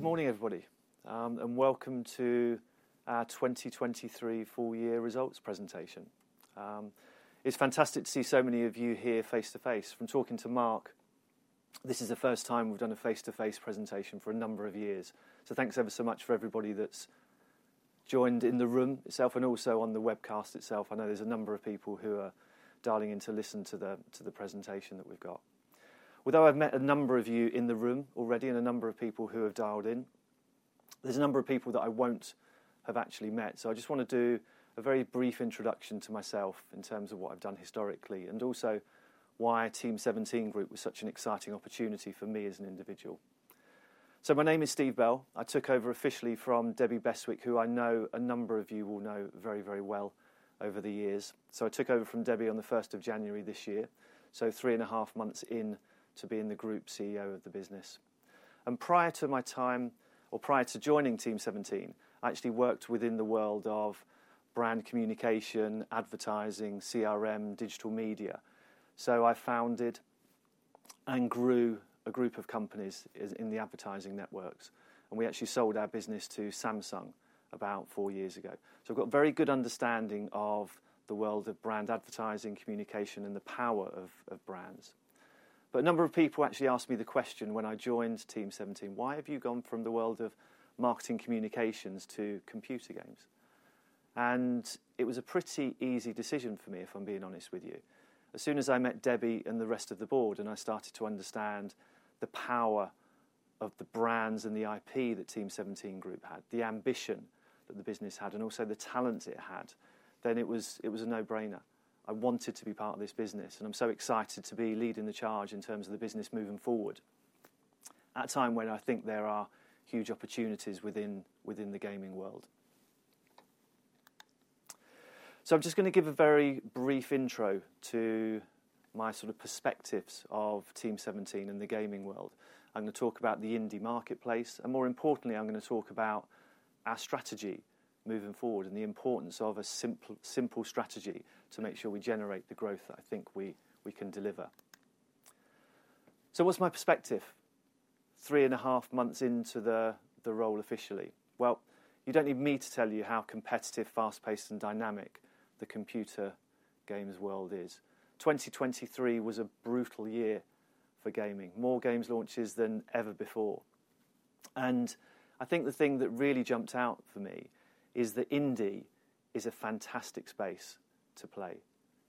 Good morning, everybody, and welcome to our 2023 full year results presentation. It's fantastic to see so many of you here face-to-face. From talking to Mark, this is the first time we've done a face-to-face presentation for a number of years. So thanks ever so much for everybody that's joined in the room itself and also on the webcast itself. I know there's a number of people who are dialing in to listen to the, to the presentation that we've got. Although I've met a number of you in the room already and a number of people who have dialed in, there's a number of people that I won't have actually met, so I just wanna do a very brief introduction to myself in terms of what I've done historically, and also why Team17 Group was such an exciting opportunity for me as an individual. So my name is Steve Bell. I took over officially from Debbie Bestwick, who I know a number of you will know very, very well over the years. So I took over from Debbie on the first of January this year, so 3.5 months into being the Group CEO of the business. Prior to joining Team17, I actually worked within the world of brand communication, advertising, CRM, digital media. So I founded and grew a group of companies in the advertising networks, and we actually sold our business to Samsung about 4 years ago. So I've got a very good understanding of the world of brand advertising, communication, and the power of brands. But a number of people actually asked me the question when I joined Team17: "Why have you gone from the world of marketing communications to computer games?" And it was a pretty easy decision for me, if I'm being honest with you. As soon as I met Debbie and the rest of the board, and I started to understand the power of the brands and the IP that Team17 Group had, the ambition that the business had, and also the talent it had, then it was a no-brainer. I wanted to be part of this business, and I'm so excited to be leading the charge in terms of the business moving forward, at a time when I think there are huge opportunities within the gaming world. So I'm just gonna give a very brief intro to my sort of perspectives of Team17 and the gaming world. I'm gonna talk about the indie marketplace, and more importantly, I'm gonna talk about our strategy moving forward and the importance of a simple, simple strategy to make sure we generate the growth that I think we, we can deliver. So what's my perspective 3.5 months into the, the role officially? Well, you don't need me to tell you how competitive, fast-paced, and dynamic the computer games world is. 2023 was a brutal year for gaming. More games launches than ever before. And I think the thing that really jumped out for me is that indie is a fantastic space to play.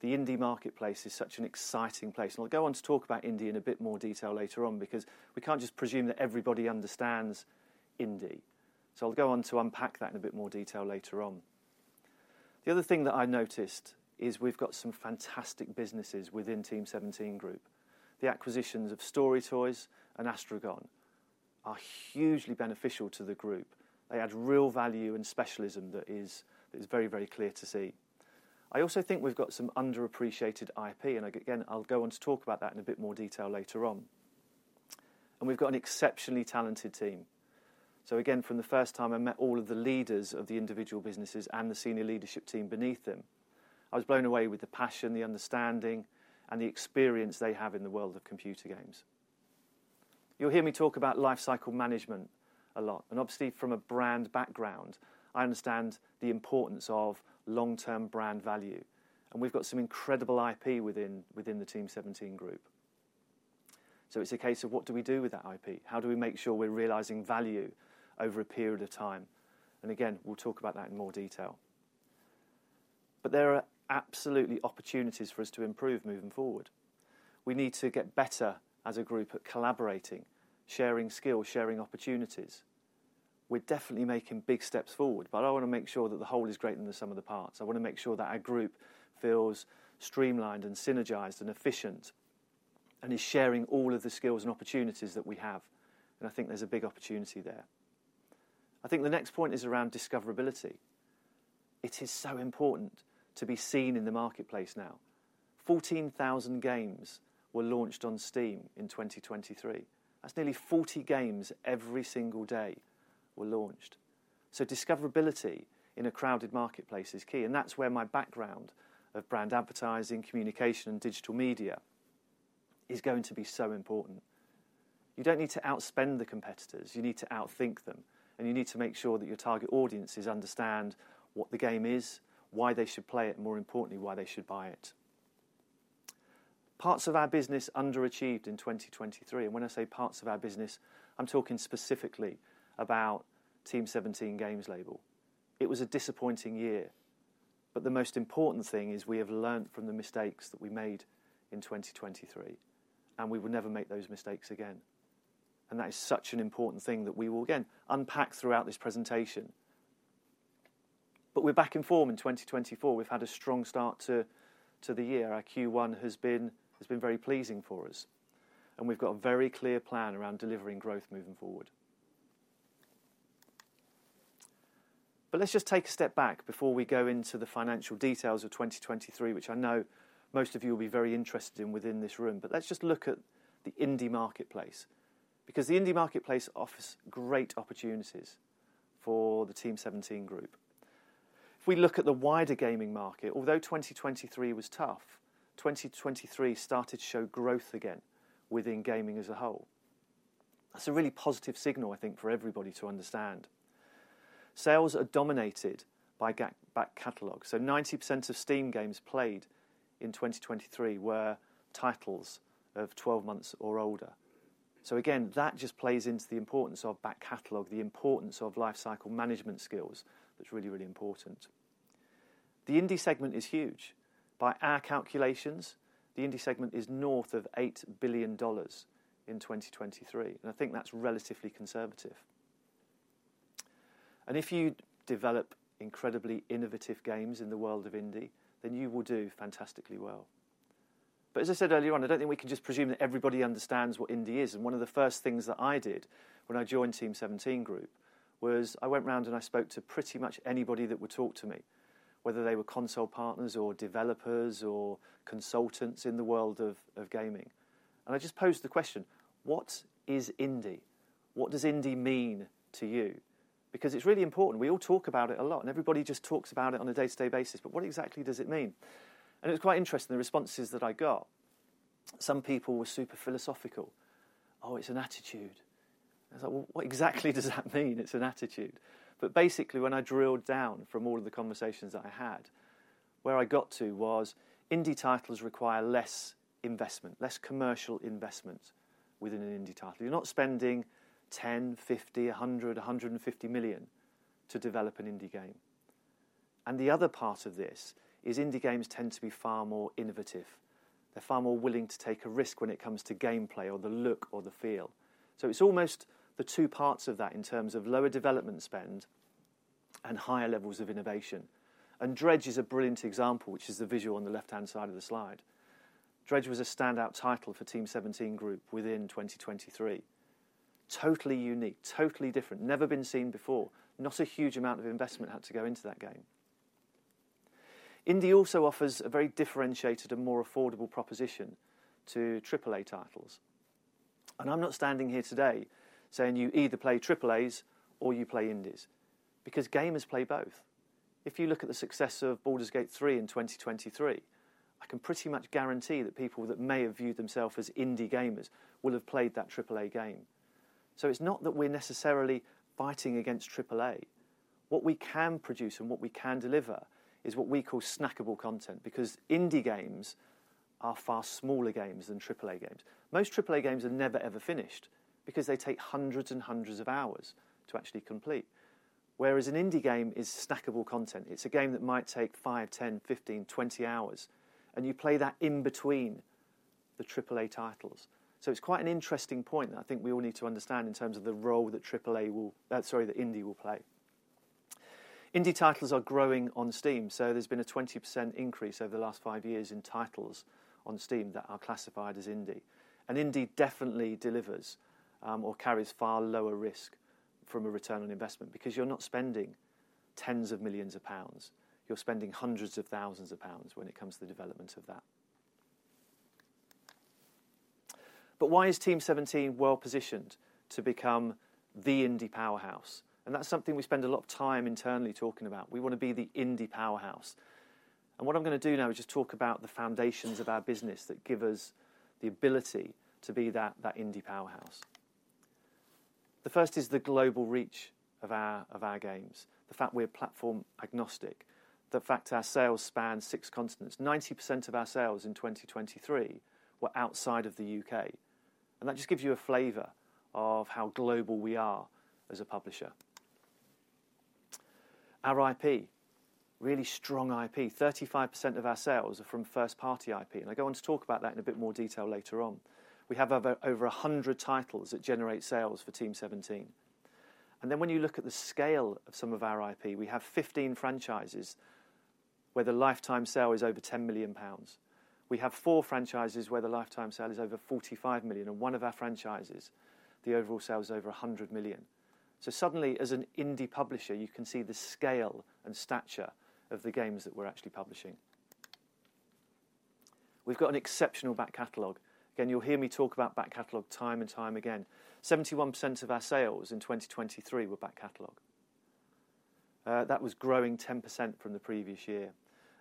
The indie marketplace is such an exciting place, and I'll go on to talk about indie in a bit more detail later on because we can't just presume that everybody understands indie. So I'll go on to unpack that in a bit more detail later on. The other thing that I noticed is we've got some fantastic businesses within Team17 Group. The acquisitions of StoryToys and Astragon are hugely beneficial to the group. They add real value and specialism that is very, very clear to see. I also think we've got some underappreciated IP, and again, I'll go on to talk about that in a bit more detail later on. We've got an exceptionally talented team. So again, from the first time I met all of the leaders of the individual businesses and the senior leadership team beneath them, I was blown away with the passion, the understanding, and the experience they have in the world of computer games. You'll hear me talk about lifecycle management a lot, and obviously, from a brand background, I understand the importance of long-term brand value, and we've got some incredible IP within the Team17 Group. So it's a case of what do we do with that IP? How do we make sure we're realizing value over a period of time? And again, we'll talk about that in more detail. But there are absolutely opportunities for us to improve moving forward. We need to get better as a group at collaborating, sharing skills, sharing opportunities. We're definitely making big steps forward, but I wanna make sure that the whole is greater than the sum of the parts. I wanna make sure that our group feels streamlined and synergized and efficient, and is sharing all of the skills and opportunities that we have, and I think there's a big opportunity there. I think the next point is around discoverability. It is so important to be seen in the marketplace now. 14,000 games were launched on Steam in 2023. That's nearly 40 games every single day were launched. Discoverability in a crowded marketplace is key, and that's where my background of brand advertising, communication, and digital media is going to be so important. You don't need to outspend the competitors, you need to outthink them, and you need to make sure that your target audiences understand what the game is, why they should play it, and more importantly, why they should buy it. Parts of our business underachieved in 2023, and when I say parts of our business, I'm talking specifically about Team17 Games Label. It was a disappointing year, but the most important thing is we have learned from the mistakes that we made in 2023, and we will never make those mistakes again. And that is such an important thing that we will again unpack throughout this presentation. But we're back in form in 2024. We've had a strong start to the year. Our Q1 has been very pleasing for us, and we've got a very clear plan around delivering growth moving forward. But let's just take a step back before we go into the financial details of 2023, which I know most of you will be very interested in within this room. But let's just look at the indie marketplace, because the indie marketplace offers great opportunities for the Team17 Group. If we look at the wider gaming market, although 2023 was tough, 2023 started to show growth again within gaming as a whole. That's a really positive signal, I think, for everybody to understand. Sales are dominated by back catalog, so 90% of Steam games played in 2023 were titles of 12 months or older. So again, that just plays into the importance of back catalog, the importance of life cycle management skills, that's really, really important. The indie segment is huge. By our calculations, the indie segment is north of $8 billion in 2023, and I think that's relatively conservative. And if you develop incredibly innovative games in the world of indie, then you will do fantastically well. But as I said earlier on, I don't think we can just presume that everybody understands what indie is, and one of the first things that I did when I joined Team17 Group was I went round and I spoke to pretty much anybody that would talk to me, whether they were console partners or developers or consultants in the world of gaming. And I just posed the question: What is indie? What does indie mean to you? Because it's really important. We all talk about it a lot, and everybody just talks about it on a day-to-day basis, but what exactly does it mean? And it was quite interesting, the responses that I got. Some people were super philosophical. Oh, it's an attitude." I was like: "Well, what exactly does that mean, it's an attitude?" But basically, when I drilled down from all of the conversations that I had, where I got to was indie titles require less investment, less commercial investment within an indie title. You're not spending 10 million, 50 million, 100 million, 150 million to develop an indie game. And the other part of this is indie games tend to be far more innovative. They're far more willing to take a risk when it comes to gameplay or the look or the feel. So it's almost the two parts of that in terms of lower development spend and higher levels of innovation. And Dredge is a brilliant example, which is the visual on the left-hand side of the slide. Dredge was a standout title for Team17 Group within 2023. Totally unique, totally different, never been seen before. Not a huge amount of investment had to go into that game. Indie also offers a very differentiated and more affordable proposition to AAA titles. I'm not standing here today saying you either play AAAs or you play indies, because gamers play both. If you look at the success of Baldur's Gate 3 in 2023, I can pretty much guarantee that people that may have viewed themselves as indie gamers will have played that AAA game. It's not that we're necessarily fighting against AAA, what we can produce and what we can deliver is what we call snackable content, because indie games are far smaller games than AAA games. Most AAA games are never, ever finished because they take hundreds and hundreds of hours to actually complete. Whereas an indie game is snackable content. It's a game that might take five, 10, 15, 20 hours, and you play that in between the AAA titles. So it's quite an interesting point that I think we all need to understand in terms of the role that indie will play. Indie titles are growing on Steam, so there's been a 20% increase over the last five years in titles on Steam that are classified as indie. Indie definitely delivers or carries far lower risk from a return on investment because you're not spending tens of millions of GBP, you're spending hundreds of thousands of GBP when it comes to the development of that. But why is Team17 well-positioned to become the indie powerhouse? That's something we spend a lot of time internally talking about. We want to be the indie powerhouse. What I'm going to do now is just talk about the foundations of our business that give us the ability to be that, that indie powerhouse. The first is the global reach of our, of our games, the fact we're platform-agnostic, the fact our sales span six continents. 90% of our sales in 2023 were outside of the U.K., and that just gives you a flavor of how global we are as a publisher. Our IP, really strong IP. 35% of our sales are from first-party IP, and I go on to talk about that in a bit more detail later on. We have over, over 100 titles that generate sales for Team17. Then when you look at the scale of some of our IP, we have 15 franchises where the lifetime sale is over 10 million pounds. We have four franchises where the lifetime sale is over 45 million, and one of our franchises, the overall sale is over 100 million. So suddenly, as an indie publisher, you can see the scale and stature of the games that we're actually publishing. We've got an exceptional back catalog. Again, you'll hear me talk about back catalog time and time again. 71% of our sales in 2023 were back catalog. That was growing 10% from the previous year,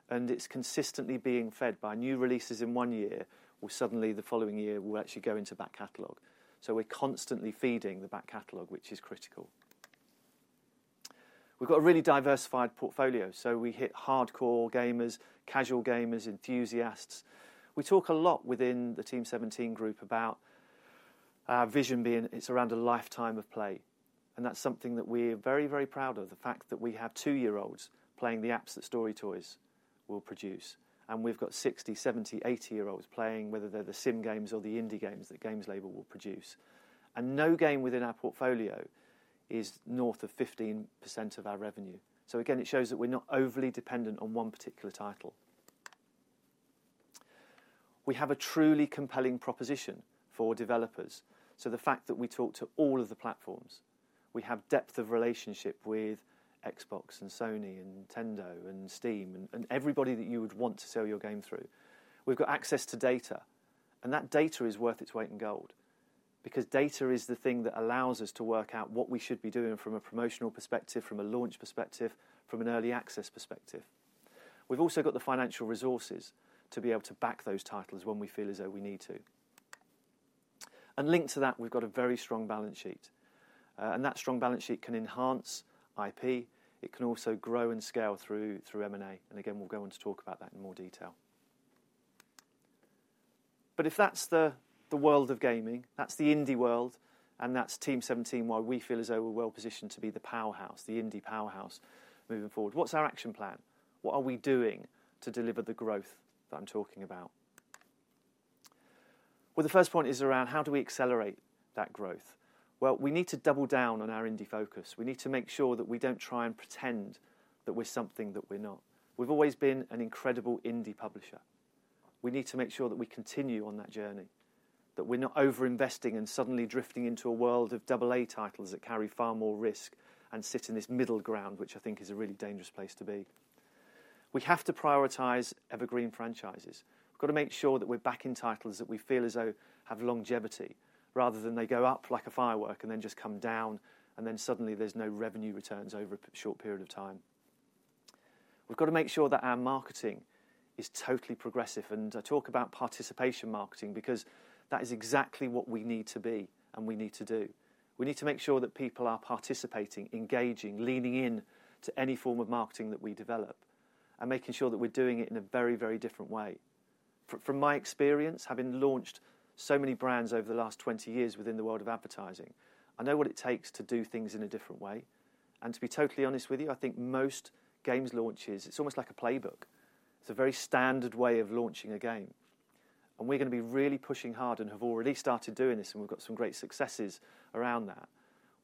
and it's consistently being fed by new releases in one year, where suddenly the following year will actually go into back catalog. So we're constantly feeding the back catalog, which is critical. We've got a really diversified portfolio, so we hit hardcore gamers, casual gamers, enthusiasts. We talk a lot within the Team17 Group about our vision being, it's around a lifetime of play, and that's something that we're very, very proud of. The fact that we have 2-year-olds playing the apps that StoryToys will produce, and we've got 60-, 70-, 80-year-olds playing, whether they're the sim games or the indie games that Games Label will produce. No game within our portfolio is north of 15% of our revenue. So again, it shows that we're not overly dependent on one particular title. We have a truly compelling proposition for developers. So the fact that we talk to all of the platforms, we have depth of relationship with Xbox and Sony and Nintendo and Steam and, and everybody that you would want to sell your game through. We've got access to data, and that data is worth its weight in gold. because data is the thing that allows us to work out what we should be doing from a promotional perspective, from a launch perspective, from an early access perspective. We've also got the financial resources to be able to back those titles when we feel as though we need to. And linked to that, we've got a very strong balance sheet, and that strong balance sheet can enhance IP. It can also grow and scale through M&A, and again, we'll go on to talk about that in more detail. But if that's the world of gaming, that's the indie world, and that's Team17, why we feel as though we're well-positioned to be the powerhouse, the indie powerhouse moving forward. What's our action plan? What are we doing to deliver the growth that I'm talking about? Well, the first point is around how do we accelerate that growth? Well, we need to double down on our indie focus. We need to make sure that we don't try and pretend that we're something that we're not. We've always been an incredible indie publisher. We need to make sure that we continue on that journey, that we're not over-investing and suddenly drifting into a world of AA titles that carry far more risk and sit in this middle ground, which I think is a really dangerous place to be. We have to prioritize evergreen franchises. We've got to make sure that we're backing titles that we feel as though have longevity, rather than they go up like a firework and then just come down, and then suddenly there's no revenue returns over a short period of time. We've got to make sure that our marketing is totally progressive, and I talk about participation marketing because that is exactly what we need to be and we need to do. We need to make sure that people are participating, engaging, leaning in to any form of marketing that we develop, and making sure that we're doing it in a very, very different way. From my experience, having launched so many brands over the last 20 years within the world of advertising, I know what it takes to do things in a different way. And to be totally honest with you, I think most games launches, it's almost like a playbook. It's a very standard way of launching a game, and we're gonna be really pushing hard and have already started doing this, and we've got some great successes around that,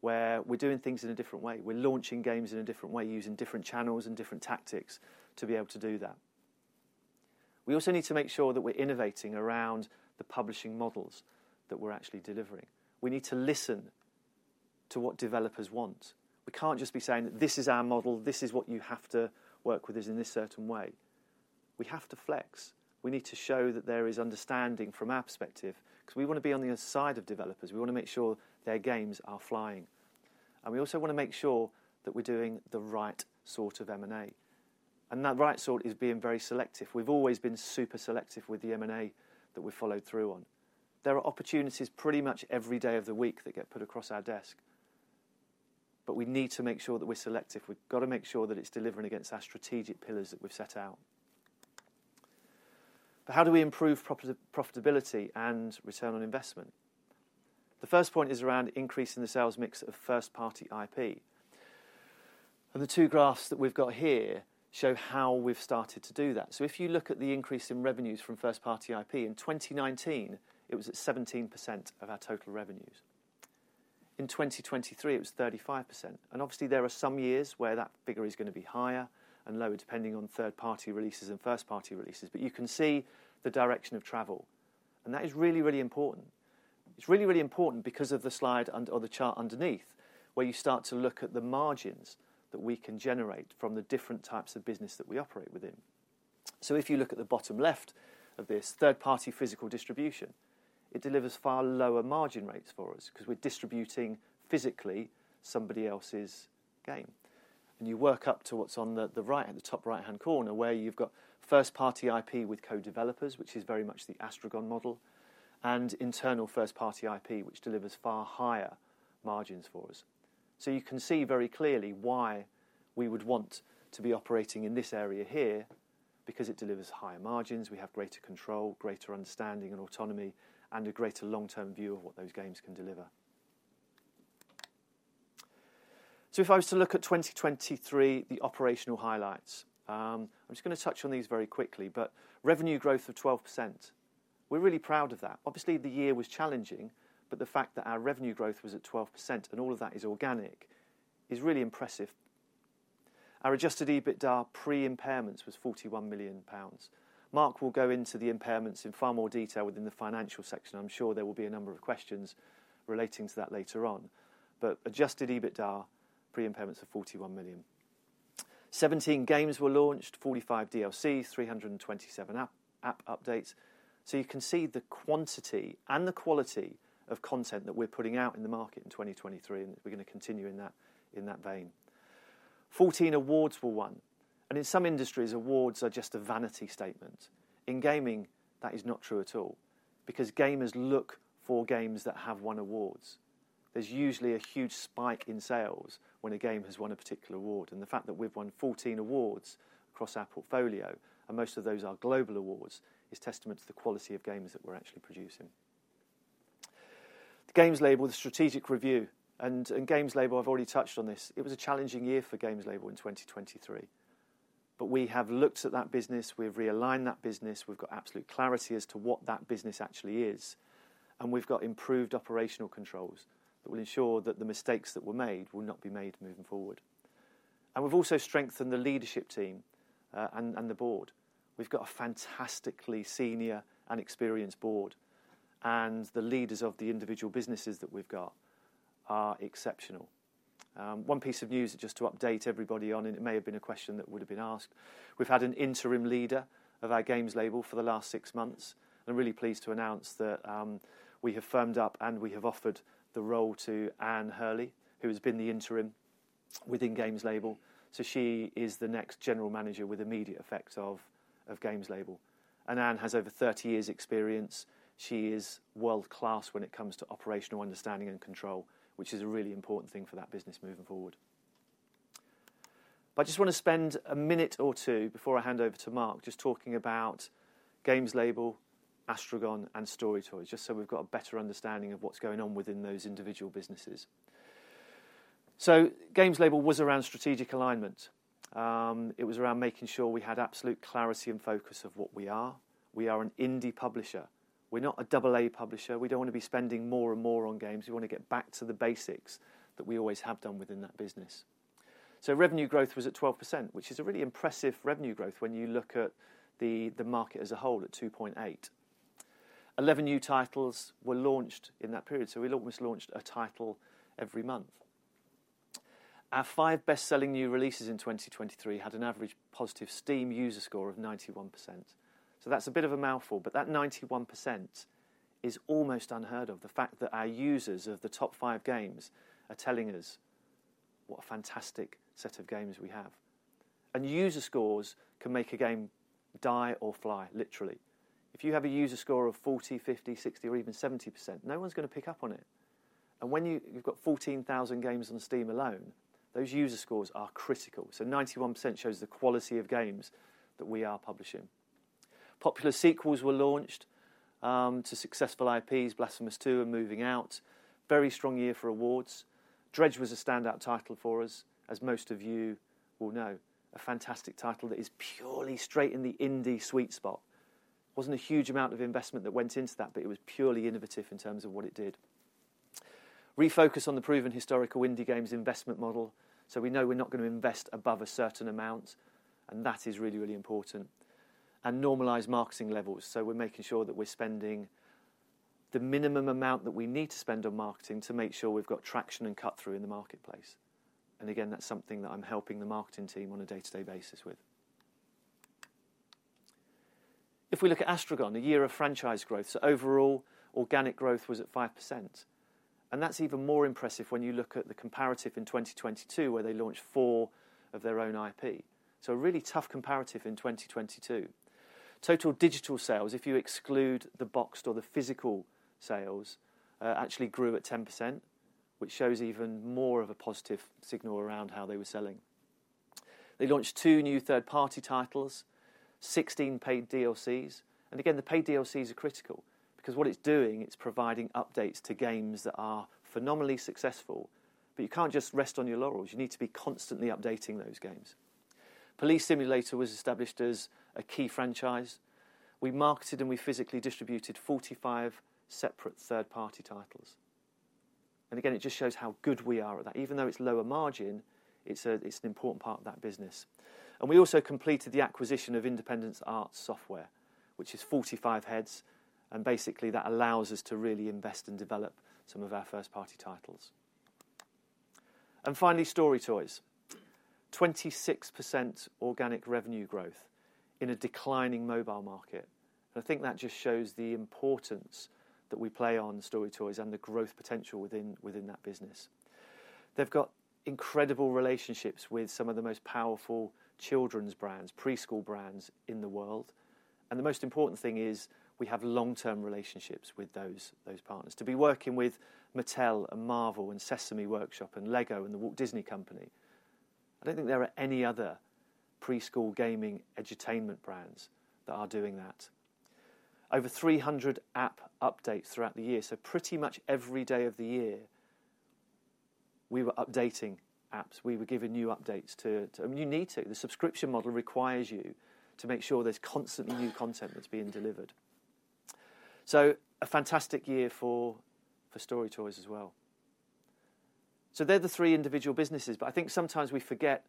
where we're doing things in a different way. We're launching games in a different way, using different channels and different tactics to be able to do that. We also need to make sure that we're innovating around the publishing models that we're actually delivering. We need to listen to what developers want. We can't just be saying, "This is our model. This is what you have to work with us in this certain way." We have to flex. We need to show that there is understanding from our perspective, because we want to be on the side of developers. We want to make sure their games are flying, and we also want to make sure that we're doing the right sort of M&A, and that right sort is being very selective. We've always been super selective with the M&A that we followed through on. There are opportunities pretty much every day of the week that get put across our desk, but we need to make sure that we're selective. We've got to make sure that it's delivering against our strategic pillars that we've set out. But how do we improve profitability and return on investment? The first point is around increasing the sales mix of first-party IP, and the two graphs that we've got here show how we've started to do that. So if you look at the increase in revenues from first-party IP, in 2019, it was at 17% of our total revenues. In 2023, it was 35%, and obviously, there are some years where that figure is going to be higher and lower, depending on third-party releases and first-party releases. But you can see the direction of travel, and that is really, really important. It's really, really important because of the slide under or the chart underneath, where you start to look at the margins that we can generate from the different types of business that we operate within. So if you look at the bottom left of this, third-party physical distribution, it delivers far lower margin rates for us because we're distributing physically somebody else's game. You work up to what's on the right, the top right-hand corner, where you've got first-party IP with co-developers, which is very much the Astragon model, and internal first-party IP, which delivers far higher margins for us. So you can see very clearly why we would want to be operating in this area here, because it delivers higher margins, we have greater control, greater understanding and autonomy, and a greater long-term view of what those games can deliver. If I was to look at 2023, the operational highlights, I'm just going to touch on these very quickly, but revenue growth of 12%, we're really proud of that. Obviously, the year was challenging, but the fact that our revenue growth was at 12%, and all of that is organic, is really impressive. Our Adjusted EBITDA pre-impairments was 41 million pounds. Mark will go into the impairments in far more detail within the financial section. I'm sure there will be a number of questions relating to that later on, but Adjusted EBITDA pre-impairments of 41 million. 17 games were launched, 45 DLCs, 327 app updates. You can see the quantity and the quality of content that we're putting out in the market in 2023, and we're going to continue in that vein. 14 awards were won, and in some industries, awards are just a vanity statement. In gaming, that is not true at all, because gamers look for games that have won awards. There's usually a huge spike in sales when a game has won a particular award, and the fact that we've won 14 awards across our portfolio, and most of those are global awards, is testament to the quality of games that we're actually producing. The Games Label, the strategic review, and Games Label, I've already touched on this. It was a challenging year for Games Label in 2023, but we have looked at that business, we've realigned that business, we've got absolute clarity as to what that business actually is, and we've got improved operational controls that will ensure that the mistakes that were made will not be made moving forward. We've also strengthened the leadership team, and the board. We've got a fantastically senior and experienced board, and the leaders of the individual businesses that we've got are exceptional. One piece of news just to update everybody on, and it may have been a question that would've been asked, we've had an interim leader of our Games Label for the last 6 months. I'm really pleased to announce that, we have firmed up and we have offered the role to Ann Hurley, who has been the interim within Games Label. So she is the next General Manager with immediate effect of Games Label, and Anne has over 30 years experience. She is world-class when it comes to operational understanding and control, which is a really important thing for that business moving forward. I just wanna spend a minute or two before I hand over to Mark, just talking about Games Label, Astragon, and StoryToys, just so we've got a better understanding of what's going on within those individual businesses. Games Label was around strategic alignment. It was around making sure we had absolute clarity and focus of what we are. We are an indie publisher. We're not a double-A publisher. We don't wanna be spending more and more on games. We wanna get back to the basics that we always have done within that business. Revenue growth was at 12%, which is a really impressive revenue growth when you look at the market as a whole at 2.8%. 11 new titles were launched in that period, so we almost launched a title every month. Our five best-selling new releases in 2023 had an average positive Steam user score of 91%, so that's a bit of a mouthful, but that 91% is almost unheard of, the fact that our users of the top five games are telling us what a fantastic set of games we have. User scores can make a game die or fly literally. If you have a user score of 40%, 50%, 60%, or even 70%, no one's gonna pick up on it, and when you've got 14,000 games on Steam alone, those user scores are critical, so 91% shows the quality of games that we are publishing. Popular sequels were launched to successful IPs, Blasphemous 2 and Moving Out. Very strong year for awards. Dredge was a standout title for us, as most of you will know. A fantastic title that is purely straight in the indie sweet spot. Wasn't a huge amount of investment that went into that, but it was purely innovative in terms of what it did. Refocus on the proven historical indie games investment model, so we know we're not gonna invest above a certain amount, and that is really, really important, and normalize marketing levels. So we're making sure that we're spending the minimum amount that we need to spend on marketing to make sure we've got traction and cut through in the marketplace. And again, that's something that I'm helping the marketing team on a day-to-day basis with. If we look at Astragon, a year of franchise growth, so overall organic growth was at 5%, and that's even more impressive when you look at the comparative in 2022, where they launched 4 of their own IP, so a really tough comparative in 2022. Total digital sales, if you exclude the boxed or the physical sales, actually grew at 10%, which shows even more of a positive signal around how they were selling. They launched 2 new third-party titles, 16 paid DLCs, and again, the paid DLCs are critical because what it's doing, it's providing updates to games that are phenomenally successful. But you can't just rest on your laurels, you need to be constantly updating those games. Police Simulator was established as a key franchise. We marketed and we physically distributed 45 separate third-party titles, and again, it just shows how good we are at that. Even though it's lower margin, it's a, it's an important part of that business. We also completed the acquisition of Independent Arts Software, which is 45 heads, and basically, that allows us to really invest and develop some of our first-party titles. Finally, StoryToys. 26% organic revenue growth in a declining mobile market, and I think that just shows the importance that we play on StoryToys and the growth potential within, within that business. They've got incredible relationships with some of the most powerful children's brands, preschool brands in the world, and the most important thing is we have long-term relationships with those, those partners. To be working with Mattel and Marvel and Sesame Workshop and LEGO and The Walt Disney Company, I don't think there are any other preschool gaming edutainment brands that are doing that. Over 300 app updates throughout the year, so pretty much every day of the year we were updating apps, we were giving new updates to... I mean, you need to. The subscription model requires you to make sure there's constantly new content that's being delivered. So a fantastic year for, for StoryToys as well. So they're the three individual businesses, but I think sometimes we forget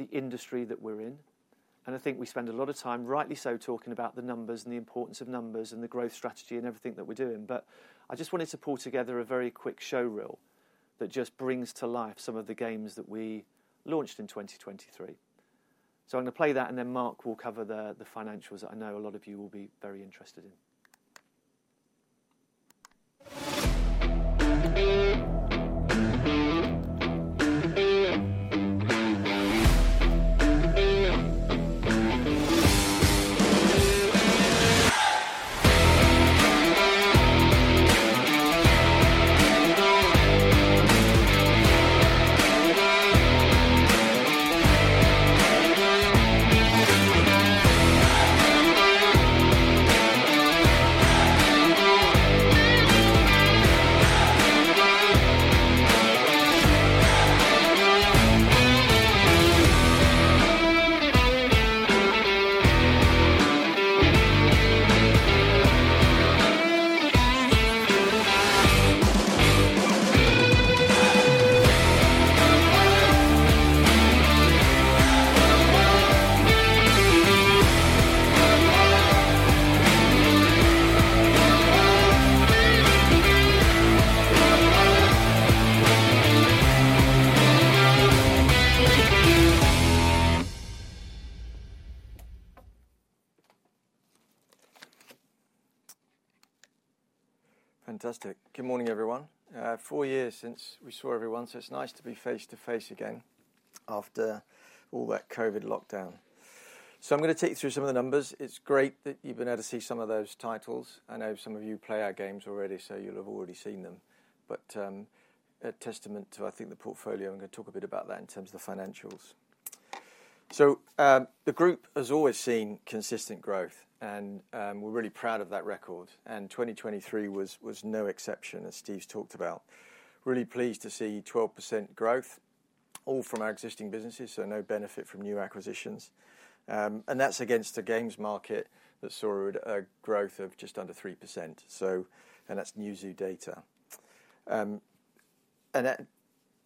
the industry that we're in, and I think we spend a lot of time, rightly so, talking about the numbers and the importance of numbers and the growth strategy and everything that we're doing. But I just wanted to pull together a very quick show reel that just brings to life some of the games that we launched in 2023. So I'm gonna play that, and then Mark will cover the financials that I know a lot of you will be very interested in. Fantastic. Good morning, everyone. 4 years since we saw everyone, so it's nice to be face to face again after all that COVID lockdown. So I'm gonna take you through some of the numbers. It's great that you've been able to see some of those titles. I know some of you play our games already, so you'll have already seen them, but a testament to, I think, the portfolio. I'm gonna talk a bit about that in terms of the financials. So the group has always seen consistent growth and we're really proud of that record, and 2023 was no exception, as Steve's talked about. Really pleased to see 12% growth, all from our existing businesses, so no benefit from new acquisitions. And that's against a games market that saw a growth of just under 3%, so. And that's Newzoo data.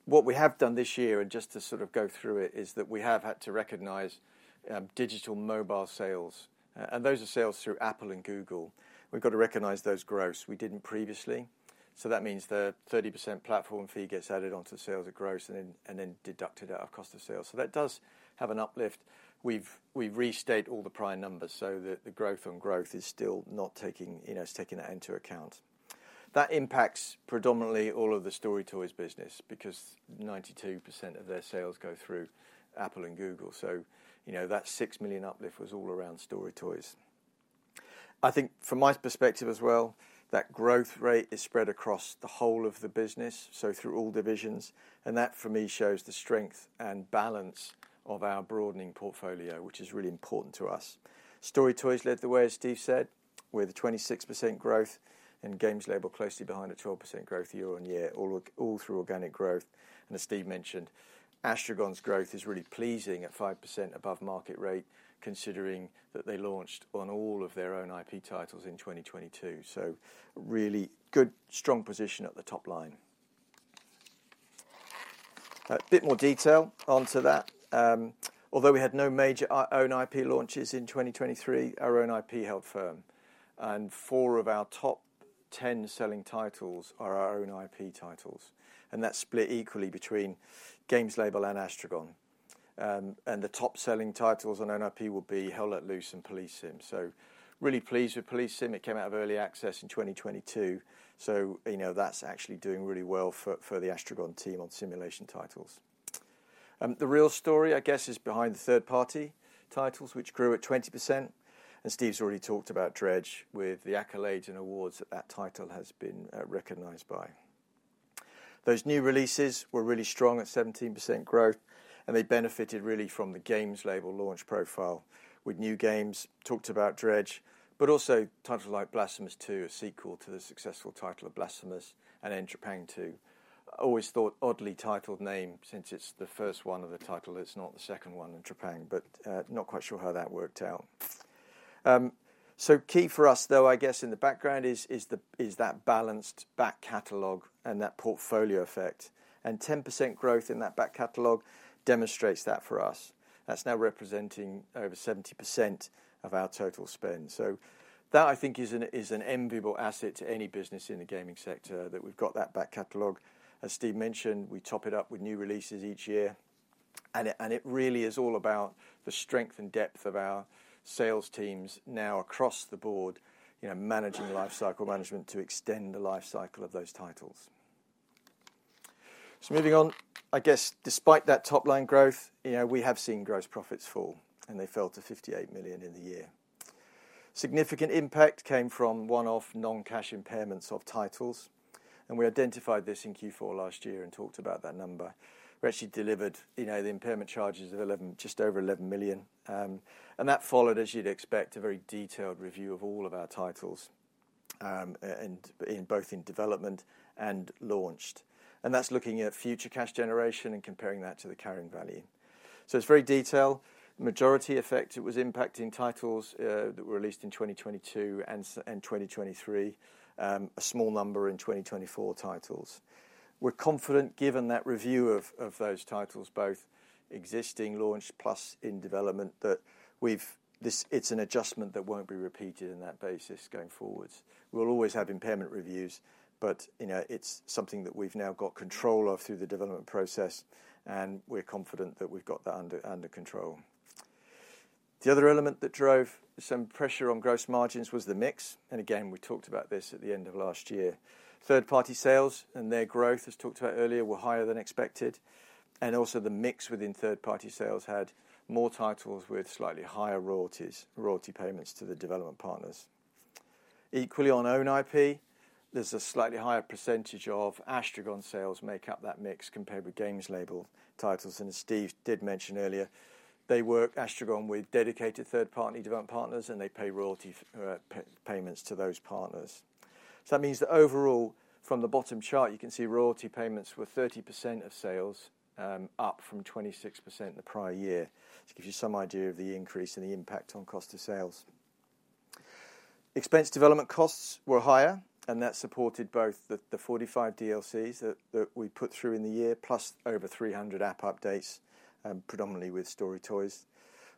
What we have done this year, and just to sort of go through it, is that we have had to recognize digital mobile sales, and those are sales through Apple and Google. We've got to recognize those gross. We didn't previously, so that means the 30% platform fee gets added onto the sales at gross and then deducted at our cost of sales. So that does have an uplift. We've restated all the prior numbers, so the growth on growth is still not taking-- you know, it's taking that into account. That impacts predominantly all of the StoryToys business, because 92% of their sales go through Apple and Google. So, you know, that 6 million uplift was all around StoryToys. I think from my perspective as well, that growth rate is spread across the whole of the business, so through all divisions, and that, for me, shows the strength and balance of our broadening portfolio, which is really important to us. StoryToys led the way, as Steve said, with a 26% growth, and Games Label closely behind at 12% growth year-over-year, all through organic growth. As Steve mentioned, Astragon's growth is really pleasing at 5% above market rate, considering that they launched on all of their own IP titles in 2022. Really good, strong position at the top line. A bit more detail onto that. Although we had no major own IP launches in 2023, our own IP held firm, and four of our top 10 selling titles are our own IP titles, and that's split equally between Games Label and Astragon. And the top-selling titles on own IP would be Hell Let Loose and Police Sim. So really pleased with Police Sim. It came out of early access in 2022, so you know, that's actually doing really well for the Astragon team on simulation titles. The real story, I guess, is behind the third-party titles, which grew at 20%, and Steve's already talked about Dredge with the accolades and awards that that title has been recognized by. Those new releases were really strong at 17% growth, and they benefited really from the Games Label launch profile, with new games. Talked about Dredge, but also titles like Blasphemous 2, a sequel to the successful title of Blasphemous, and then Trepang2. I always thought oddly titled name, since it's the first one of the title, it's not the second one in Trepang, but not quite sure how that worked out. So key for us, though, I guess in the background is that balanced back catalog and that portfolio effect, and 10% growth in that back catalog demonstrates that for us. That's now representing over 70% of our total spend. So that, I think, is an enviable asset to any business in the gaming sector, that we've got that back catalog. As Steve mentioned, we top it up with new releases each year, and it, and it really is all about the strength and depth of our sales teams now across the board, you know, managing the lifecycle management to extend the lifecycle of those titles. So moving on, I guess despite that top-line growth, you know, we have seen gross profits fall, and they fell to 58 million in the year. Significant impact came from one-off non-cash impairments of titles, and we identified this in Q4 last year and talked about that number. We actually delivered, you know, the impairment charges of 11, just over 11 million. And that followed, as you'd expect, a very detailed review of all of our titles, and in both in development and launched. And that's looking at future cash generation and comparing that to the carrying value. So it's very detailed. Majority effect, it was impacting titles that were released in 2022 and 2023, a small number in 2024 titles. We're confident, given that review of those titles, both existing launch plus in development, that we've this it's an adjustment that won't be repeated on that basis going forward. We'll always have impairment reviews, but, you know, it's something that we've now got control of through the development process, and we're confident that we've got that under control. The other element that drove some pressure on gross margins was the mix, and again, we talked about this at the end of last year. Third-party sales and their growth, as talked about earlier, were higher than expected, and also the mix within third-party sales had more titles with slightly higher royalties, royalty payments to the development partners. Equally on own IP, there's a slightly higher percentage of Astragon sales make up that mix compared with Games Label titles, and as Steve did mention earlier, they work, Astragon, with dedicated third-party development partners, and they pay royalty payments to those partners. So that means that overall, from the bottom chart, you can see royalty payments were 30% of sales, up from 26% in the prior year. To give you some idea of the increase and the impact on cost of sales. External development costs were higher, and that supported both the 45 DLCs that we put through in the year, plus over 300 app updates, predominantly with StoryToys,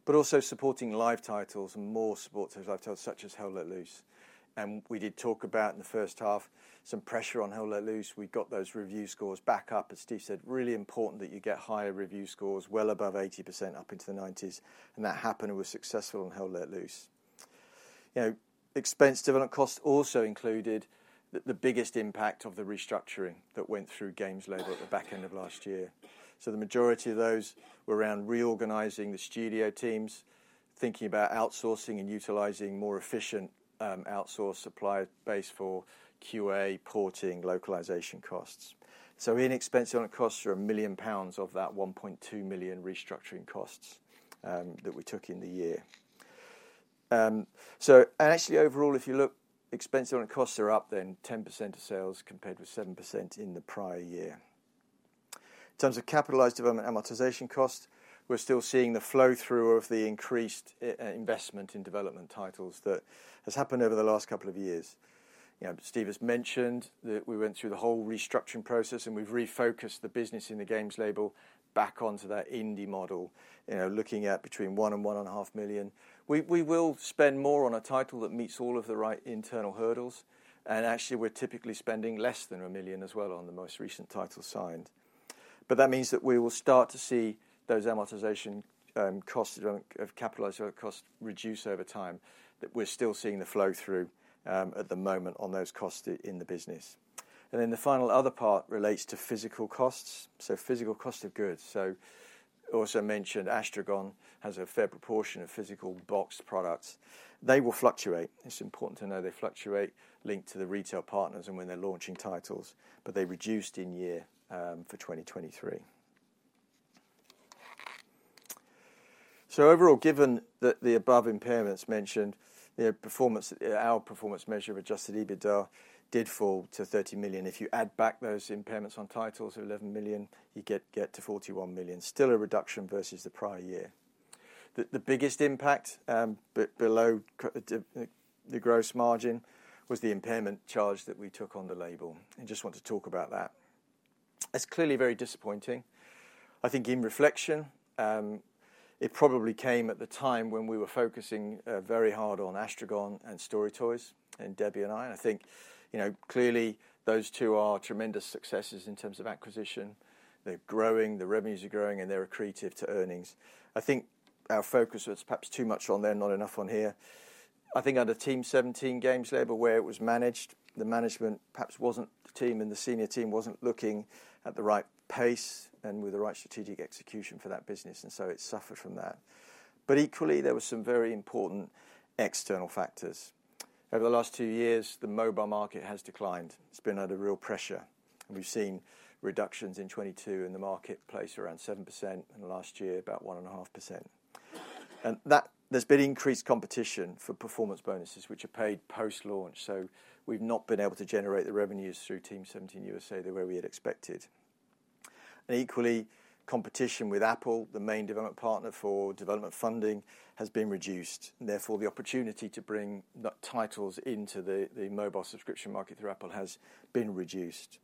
but also supporting live titles and more ports such as Hell Let Loose. We did talk about in the first half some pressure on Hell Let Loose. We got those review scores back up, as Steve said, really important that you get higher review scores well above 80% up into the 90s, and that happened and was successful in Hell Let Loose. You know, expense development costs also included the biggest impact of the restructuring that went through Games Label at the back end of last year. So the majority of those were around reorganizing the studio teams, thinking about outsourcing and utilizing more efficient, outsource supply base for QA, porting, localization costs. So in expense development costs are 1 million pounds of that 1.2 million restructuring costs, that we took in the year. So and actually, overall, if you look, expense development costs are up 10% of sales compared with 7% in the prior year. In terms of capitalized development amortization cost, we're still seeing the flow-through of the increased investment in development titles that has happened over the last couple of years. You know, Steve has mentioned that we went through the whole restructuring process, and we've refocused the business in the Games label back onto that indie model. You know, looking at between 1 million and 1.5 million. We will spend more on a title that meets all of the right internal hurdles, and actually, we're typically spending less than 1 million as well on the most recent title signed. But that means that we will start to see those amortization costs of capitalized costs reduce over time, that we're still seeing the flow-through at the moment on those costs in the business. And then the final other part relates to physical costs, so physical cost of goods. So also mentioned, Astragon has a fair proportion of physical boxed products. They will fluctuate. It's important to know they fluctuate, linked to the retail partners and when they're launching titles, but they reduced in year for 2023. So overall, given that the above impairments mentioned, their performance our performance measure of adjusted EBITDA did fall to 30 million. If you add back those impairments on titles of 11 million, you get to 41 million. Still a reduction versus the prior year. The biggest impact below the gross margin was the impairment charge that we took on The Label, and just want to talk about that. It's clearly very disappointing. I think in reflection, it probably came at the time when we were focusing very hard on Astragon and StoryToys, and Debbie and I, and I think, you know, clearly those two are tremendous successes in terms of acquisition. They're growing, the revenues are growing, and they're accretive to earnings. I think our focus was perhaps too much on there, not enough on here. I think under Team17 Games Label, where it was managed, the management perhaps wasn't the team, and the senior team wasn't looking at the right pace and with the right strategic execution for that business, and so it suffered from that. But equally, there were some very important external factors. Over the last two years, the mobile market has declined. It's been under real pressure. We've seen reductions in 2022 in the marketplace around 7%, and last year, about 1.5%. That there's been increased competition for performance bonuses, which are paid post-launch, so we've not been able to generate the revenues through Team17 USA the way we had expected. Equally, competition with Apple, the main development partner for development funding, has been reduced, and therefore the opportunity to bring the titles into the mobile subscription market through Apple has been reduced.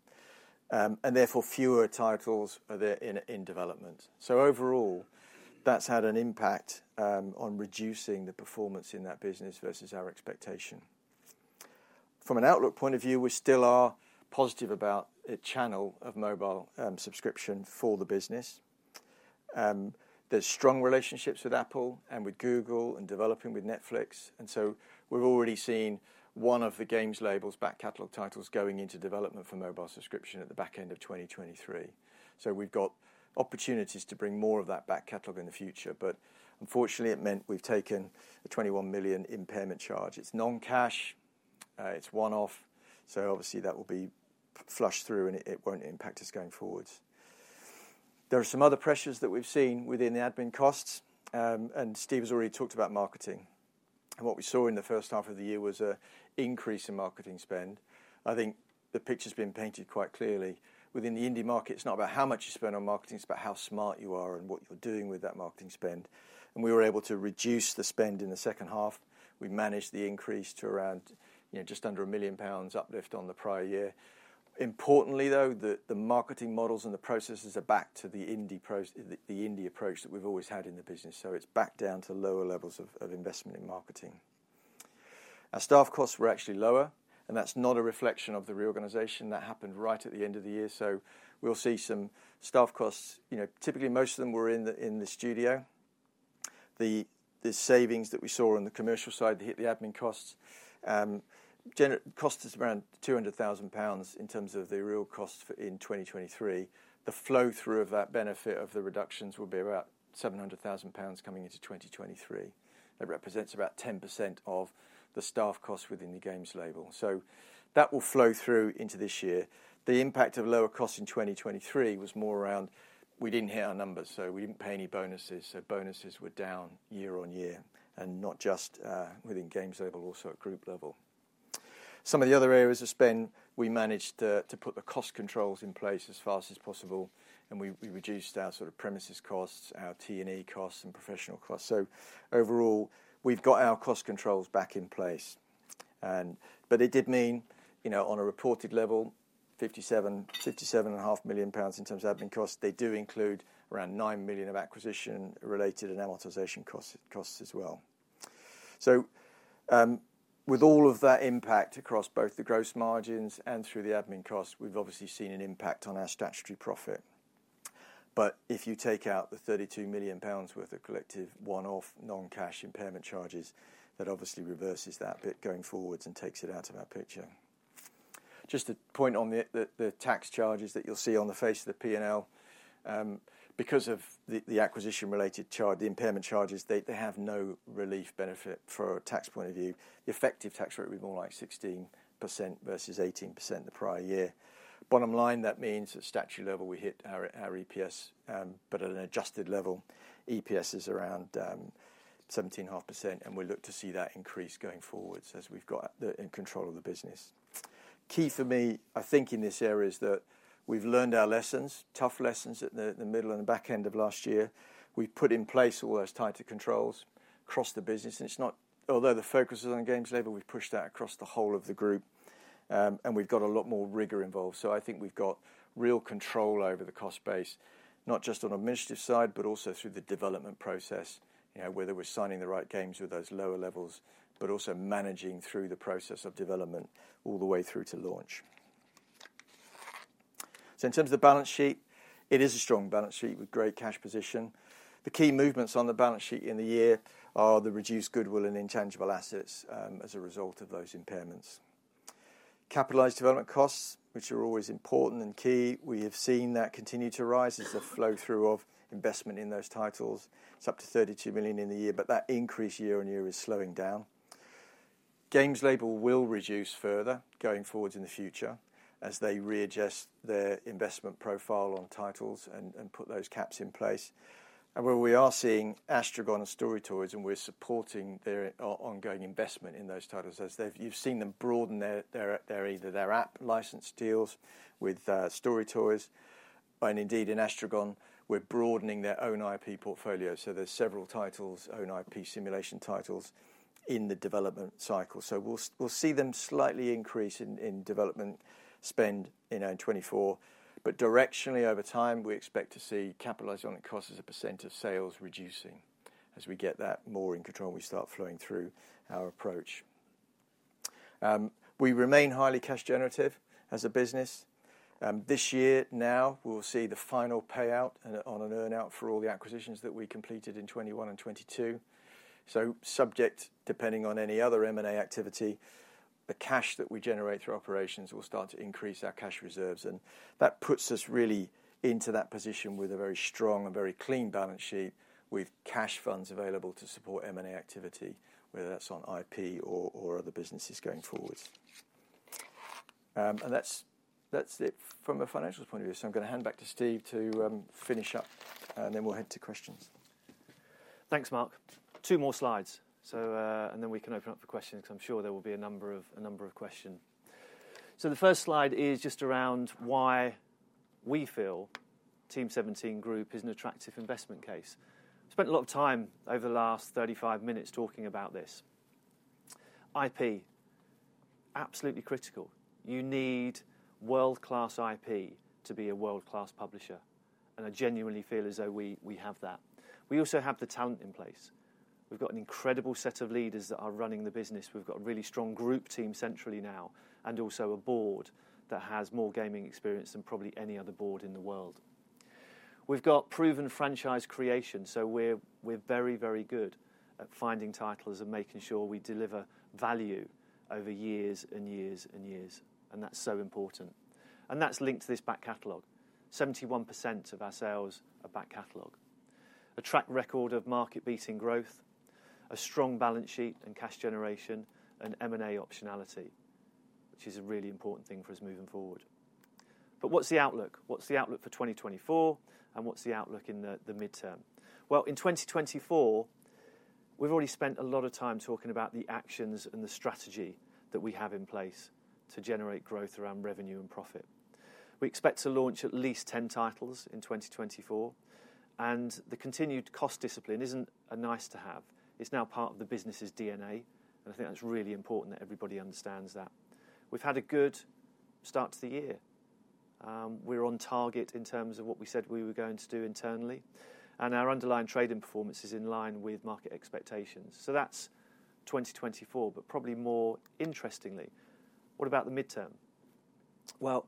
And therefore, fewer titles are there in development. So overall, that's had an impact on reducing the performance in that business versus our expectation. From an outlook point of view, we still are positive about a channel of mobile subscription for the business. There's strong relationships with Apple and with Google and developing with Netflix, and so we've already seen one of the Games Label's back catalog titles going into development for mobile subscription at the back end of 2023. So we've got opportunities to bring more of that back catalog in the future, but unfortunately, it meant we've taken a 21 million impairment charge. It's non-cash, it's one-off, so obviously, that will be flushed through and it, it won't impact us going forward. There are some other pressures that we've seen within the admin costs, and Steve has already talked about marketing. What we saw in the first half of the year was a increase in marketing spend. I think the picture's been painted quite clearly. Within the indie market, it's not about how much you spend on marketing, it's about how smart you are and what you're doing with that marketing spend, and we were able to reduce the spend in the second half. We managed the increase to around, you know, just under 1 million pounds uplift on the prior year. Importantly, though, the marketing models and the processes are back to the indie approach that we've always had in the business, so it's back down to lower levels of investment in marketing. Our staff costs were actually lower, and that's not a reflection of the reorganization that happened right at the end of the year, so we'll see some staff costs. You know, typically, most of them were in the studio. The savings that we saw on the commercial side, the admin costs, cost us around 200 thousand pounds in terms of the real cost for in 2023. The flow-through of that benefit of the reductions will be about 700 thousand pounds coming into 2023. That represents about 10% of the staff costs within the Games Label. So that will flow through into this year. The impact of lower costs in 2023 was more around we didn't hit our numbers, so we didn't pay any bonuses, so bonuses were down year-on-year, and not just within Games Label, also at group level. Some of the other areas of spend, we managed to put the cost controls in place as fast as possible, and we reduced our sort of premises costs, our T&E costs, and professional costs. So overall, we've got our cost controls back in place. But it did mean, you know, on a reported level, 57.5 million pounds in terms of admin costs. They do include around 9 million of acquisition-related and amortization costs as well. So with all of that impact across both the gross margins and through the admin costs, we've obviously seen an impact on our statutory profit. But if you take out the 32 million pounds worth of collective one-off non-cash impairment charges, that obviously reverses that bit going forwards and takes it out of our picture. Just a point on the tax charges that you'll see on the face of the P&L. Because of the acquisition-related charge, the impairment charges, they have no relief benefit from a tax point of view. The effective tax rate will be more like 16% versus 18% the prior year. Bottom line, that means at statutory level, we hit our, our EPS, but at an adjusted level, EPS is around, 17.5%, and we look to see that increase going forwards as we've got the in control of the business. Key for me, I think, in this area is that we've learned our lessons, tough lessons at the, the middle and the back end of last year. We've put in place all those tighter controls across the business, and it's not—although the focus is on Games Label, we've pushed that across the whole of the group. And we've got a lot more rigor involved. So I think we've got real control over the cost base, not just on administrative side, but also through the development process, you know, whether we're signing the right games with those lower levels, but also managing through the process of development all the way through to launch. So in terms of the balance sheet, it is a strong balance sheet with great cash position. The key movements on the balance sheet in the year are the reduced goodwill and intangible assets, as a result of those impairments. Capitalized development costs, which are always important and key, we have seen that continue to rise as a flow-through of investment in those titles. It's up to 32 million in the year, but that increase year-on-year is slowing down. Games Label will reduce further going forward in the future as they readjust their investment profile on titles and put those caps in place. Where we are seeing Astragon and StoryToys, and we're supporting their ongoing investment in those titles, as you've seen them broaden their app license deals with StoryToys. Indeed, in Astragon, we're broadening their own IP portfolio, so there's several titles, own IP simulation titles, in the development cycle. We'll see them slightly increase in development spend in 2024. But directionally, over time, we expect to see capitalized on it costs as a percent of sales reducing as we get that more in control, and we start flowing through our approach. We remain highly cash generative as a business. This year, now, we'll see the final payout and on an earn-out for all the acquisitions that we completed in 2021 and 2022. So subject, depending on any other M&A activity, the cash that we generate through operations will start to increase our cash reserves, and that puts us really into that position with a very strong and very clean balance sheet, with cash funds available to support M&A activity, whether that's on IP or, or other businesses going forward. And that's, that's it from a financial point of view. So I'm going to hand back to Steve to, finish up, and then we'll head to questions. Thanks, Mark. 2 more slides. So, and then we can open up for questions, because I'm sure there will be a number of questions. So the first slide is just around why we feel Team17 Group is an attractive investment case. Spent a lot of time over the last 35 minutes talking about this. IP, absolutely critical. You need world-class IP to be a world-class publisher, and I genuinely feel as though we have that. We also have the talent in place. We've got an incredible set of leaders that are running the business. We've got a really strong group team centrally now, and also a board that has more gaming experience than probably any other board in the world. We've got proven franchise creation, so we're very, very good at finding titles and making sure we deliver value over years and years and years, and that's so important. That's linked to this back catalog. 71% of our sales are back catalog. A track record of market-beating growth, a strong balance sheet and cash generation, and M&A optionality, which is a really important thing for us moving forward. But what's the outlook? What's the outlook for 2024, and what's the outlook in the midterm? Well, in 2024, we've already spent a lot of time talking about the actions and the strategy that we have in place to generate growth around revenue and profit. We expect to launch at least 10 titles in 2024, and the continued cost discipline isn't a nice-to-have. It's now part of the business's DNA, and I think that's really important that everybody understands that. We've had a good start to the year. We're on target in terms of what we said we were going to do internally, and our underlying trading performance is in line with market expectations. So that's 2024, but probably more interestingly, what about the midterm? Well,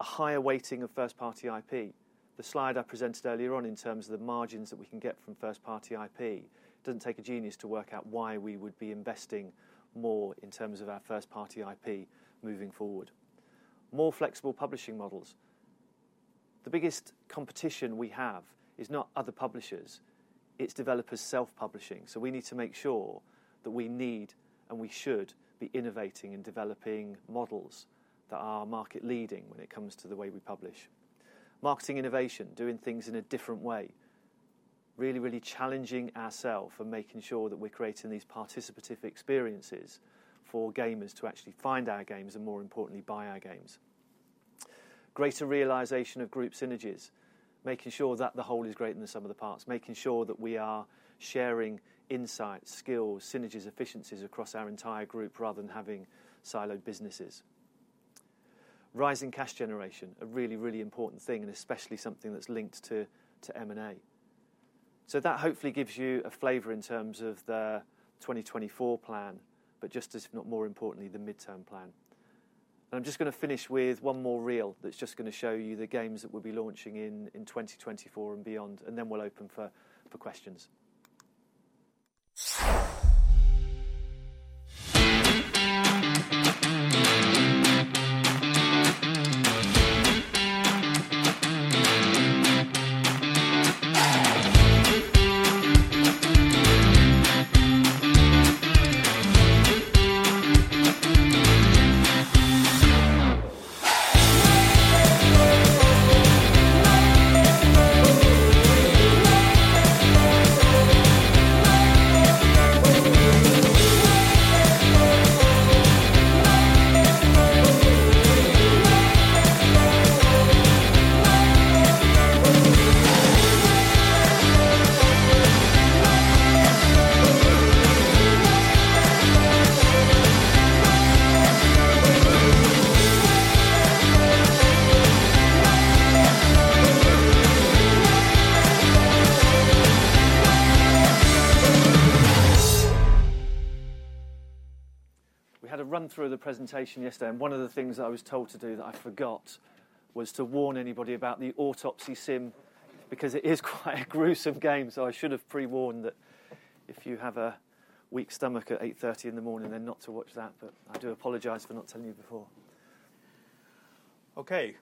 a higher weighting of first-party IP. The slide I presented earlier on in terms of the margins that we can get from first-party IP, it doesn't take a genius to work out why we would be investing more in terms of our first-party IP moving forward. More flexible publishing models. The biggest competition we have is not other publishers, it's developers self-publishing. So we need to make sure that we need and we should be innovating and developing models that are market-leading when it comes to the way we publish. Marketing innovation, doing things in a different way. ... really, really challenging ourself and making sure that we're creating these participative experiences for gamers to actually find our games, and more importantly, buy our games. Greater realization of group synergies. Making sure that the whole is greater than the sum of the parts. Making sure that we are sharing insights, skills, synergies, efficiencies across our entire group, rather than having siloed businesses. Rising cash generation, a really, really important thing, and especially something that's linked to M&A. So that hopefully gives you a flavor in terms of the 2024 plan, but just as, if not more importantly, the midterm plan. And I'm just gonna finish with one more reel that's just gonna show you the games that we'll be launching in 2024 and beyond, and then we'll open for questions. We had a run-through of the presentation yesterday, and one of the things that I was told to do that I forgot, was to warn anybody about the Autopsy Sim, because it is quite a gruesome game. So I should have pre-warned that if you have a weak stomach at 8:30 A.M., then not to watch that, but I do apologize for not telling you before. Okay,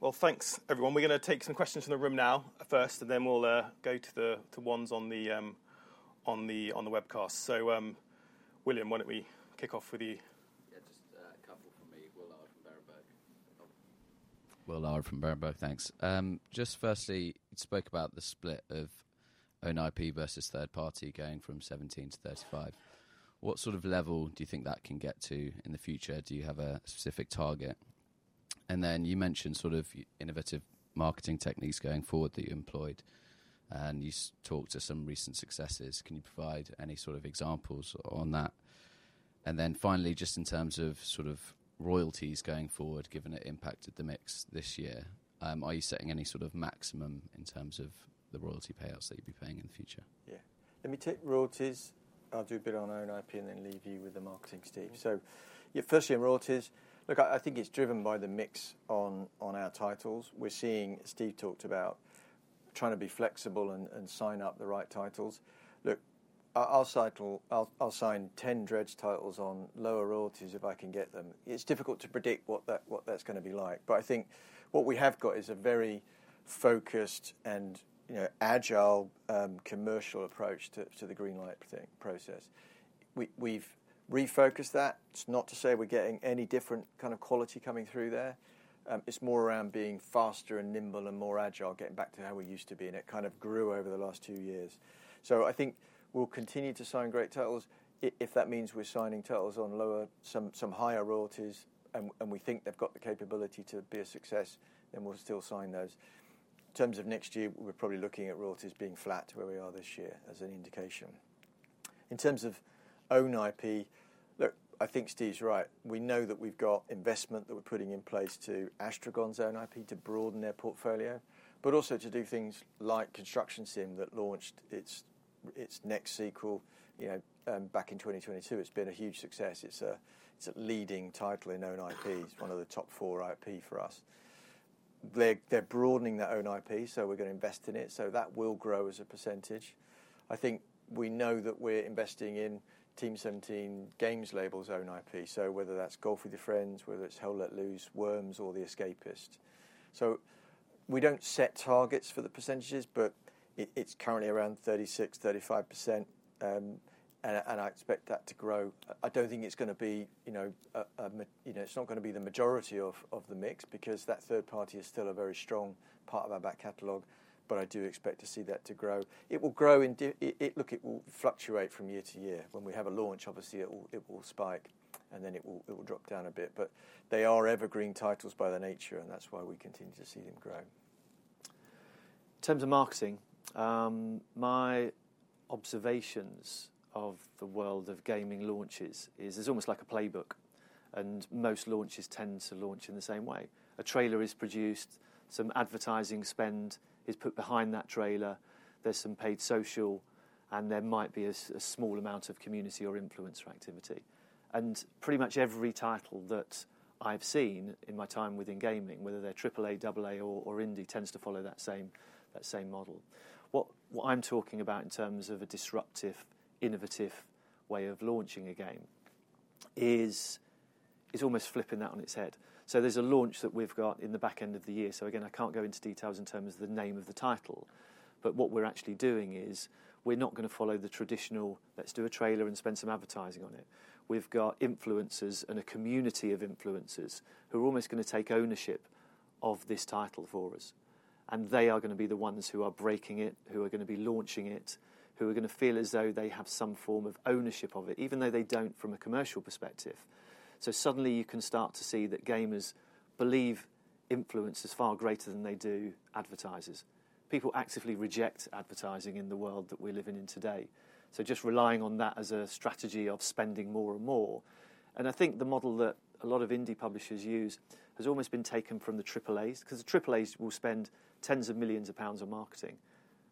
well, thanks, everyone. We're gonna take some questions from the room now, first, and then we'll go to the ones on the webcast. So, William, why don't we kick off with you? Yeah, just a couple from me, William Larwood from Berenberg. William Larwood from Berenberg, thanks. Just firstly, you spoke about the split of own IP versus third party going from 17 to 35. What sort of level do you think that can get to in the future? Do you have a specific target? And then you mentioned sort of innovative marketing techniques going forward that you employed, and you talked to some recent successes. Can you provide any sort of examples on that? And then finally, just in terms of sort of royalties going forward, given it impacted the mix this year, are you setting any sort of maximum in terms of the royalty payouts that you'll be paying in the future? Yeah. Let me take royalties. I'll do a bit on our own IP and then leave you with the marketing, Steve. So yeah, firstly on royalties. Look, I think it's driven by the mix on our titles. We're seeing... Steve talked about trying to be flexible and sign up the right titles. Look, I'll sign 10 Dredge titles on lower royalties if I can get them. It's difficult to predict what that's gonna be like, but I think what we have got is a very focused and, you know, agile, commercial approach to the greenlight process. We've refocused that. It's not to say we're getting any different kind of quality coming through there, it's more around being faster and nimble and more agile, getting back to how we used to be, and it kind of grew over the last two years. So I think we'll continue to sign great titles. If that means we're signing titles on lower, some higher royalties, and we think they've got the capability to be a success, then we'll still sign those. In terms of next year, we're probably looking at royalties being flat to where we are this year, as an indication. In terms of own IP, look, I think Steve's right. We know that we've got investment that we're putting in place to Astragon's own IP, to broaden their portfolio, but also to do things like Construction Sim, that launched its next sequel, you know, back in 2022. It's been a huge success. It's a leading title in own IP. It's one of the top four IP for us. They're broadening their own IP, so we're gonna invest in it, so that will grow as a percentage. I think we know that we're investing in Team17 Games Label's own IP, so whether that's Golf With Your Friends, whether it's Hell Let Loose, Worms or The Escapists. So we don't set targets for the percentages, but it's currently around 36, 35%, and I expect that to grow. I don't think it's gonna be, you know, a majority, you know, it's not gonna be the majority of the mix, because that third party is still a very strong part of our back catalog, but I do expect to see that to grow. It will grow. Look, it will fluctuate from year to year. When we have a launch, obviously, it will spike, and then it will drop down a bit. But they are evergreen titles by their nature, and that's why we continue to see them grow. In terms of marketing, my observations of the world of gaming launches is, it's almost like a playbook, and most launches tend to launch in the same way. A trailer is produced, some advertising spend is put behind that trailer, there's some paid social, and there might be a small amount of community or influencer activity. And pretty much every title that I've seen in my time within gaming, whether they're triple-A, double-A or indie, tends to follow that same model. What I'm talking about in terms of a disruptive, innovative way of launching a game is, it's almost flipping that on its head. So there's a launch that we've got in the back end of the year. So again, I can't go into details in terms of the name of the title, but what we're actually doing is, we're not gonna follow the traditional, "Let's do a trailer and spend some advertising on it." We've got influencers and a community of influencers, who are almost gonna take ownership of this title for us... and they are going to be the ones who are breaking it, who are going to be launching it, who are going to feel as though they have some form of ownership of it, even though they don't from a commercial perspective. So suddenly you can start to see that gamers believe influence is far greater than advertisers do. People actively reject advertising in the world that we're living in today, so just relying on that as a strategy of spending more and more. I think the model that a lot of indie publishers use has almost been taken from the AAAs, 'cause the AAAs will spend tens of millions GBP on marketing.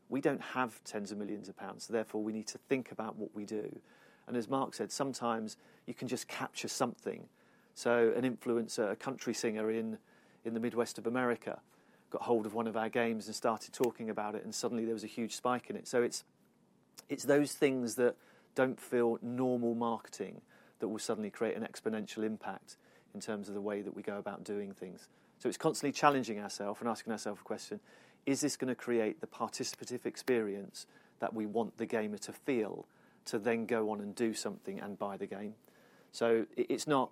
We don't have tens of millions GBP, so therefore, we need to think about what we do. As Mark said, sometimes you can just capture something. An influencer, a country singer in the Midwest of America, got hold of one of our games and started talking about it, and suddenly there was a huge spike in it. It's those things that don't feel normal marketing that will suddenly create an exponential impact in terms of the way that we go about doing things. So it's constantly challenging ourself and asking ourself a question: Is this going to create the participative experience that we want the gamer to feel, to then go on and do something and buy the game? So it's not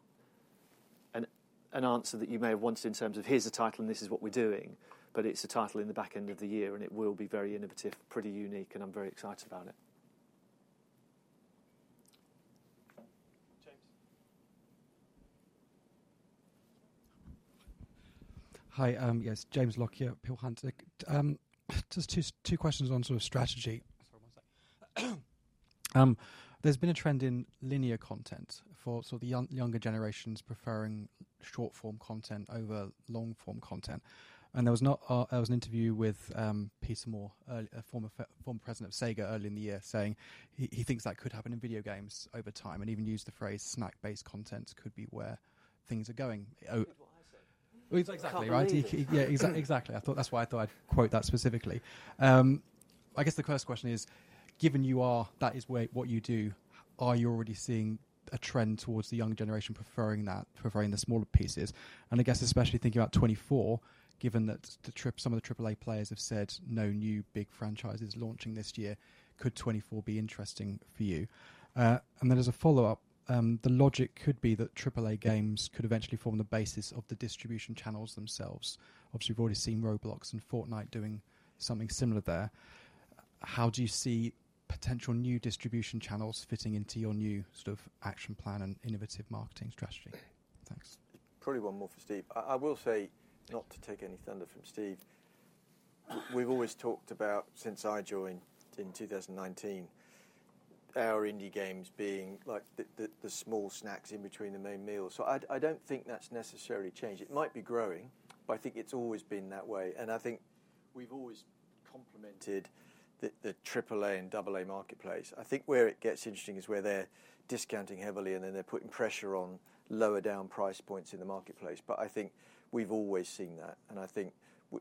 an answer that you may have wanted in terms of, "Here's the title, and this is what we're doing," but it's a title in the back end of the year, and it will be very innovative, pretty unique, and I'm very excited about it. James. Hi, yes, James Lockyer here, Peel Hunt. Just two questions on sort of strategy. Sorry, one second. There's been a trend in linear content for sort of the younger generations preferring short-form content over long-form content. And there was an interview with Peter Moore, former president of Sega early in the year, saying he thinks that could happen in video games over time and even used the phrase: "Snack-based content could be where things are going." Oh- That's what I said. Well, exactly, right? Can't believe it. Yeah. Exactly. I thought that's why I thought I'd quote that specifically. I guess the first question is: Given you are... that is where what you do, are you already seeing a trend towards the younger generation preferring that, preferring the smaller pieces? And I guess especially thinking about 2024, given that the big, some of the AAA players have said no new big franchises launching this year, could 2024 be interesting for you? And then as a follow-up, the logic could be that AAA games could eventually form the basis of the distribution channels themselves. Obviously, we've already seen Roblox and Fortnite doing something similar there. How do you see potential new distribution channels fitting into your new sort of action plan and innovative marketing strategy? Thanks. Probably one more for Steve. I will say, not to take any thunder from Steve, we've always talked about, since I joined in 2019, our indie games being like the small snacks in between the main meals. So I don't think that's necessarily changed. It might be growing, but I think it's always been that way, and I think we've always complemented the AAA and AA marketplace. I think where it gets interesting is where they're discounting heavily, and then they're putting pressure on lower down price points in the marketplace. But I think we've always seen that, and I think,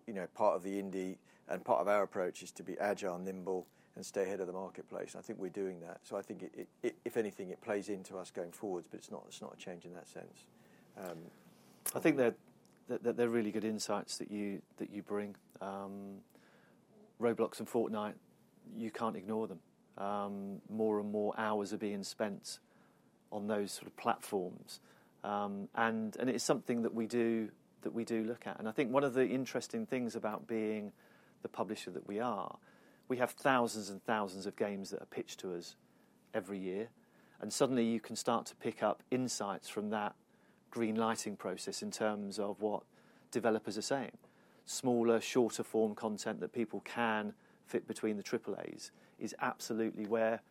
you know, part of the indie and part of our approach is to be agile, nimble, and stay ahead of the marketplace. I think we're doing that. So I think, if anything, it plays into us going forward, but it's not a change in that sense. I think that they're really good insights that you bring. Roblox and Fortnite, you can't ignore them. More and more hours are being spent on those sort of platforms. And it is something that we do look at. And I think one of the interesting things about being the publisher that we are, we have thousands and thousands of games that are pitched to us every year, and suddenly you can start to pick up insights from that greenlight process in terms of what developers are saying. Smaller, shorter form content that people can fit between the AAAs is absolutely where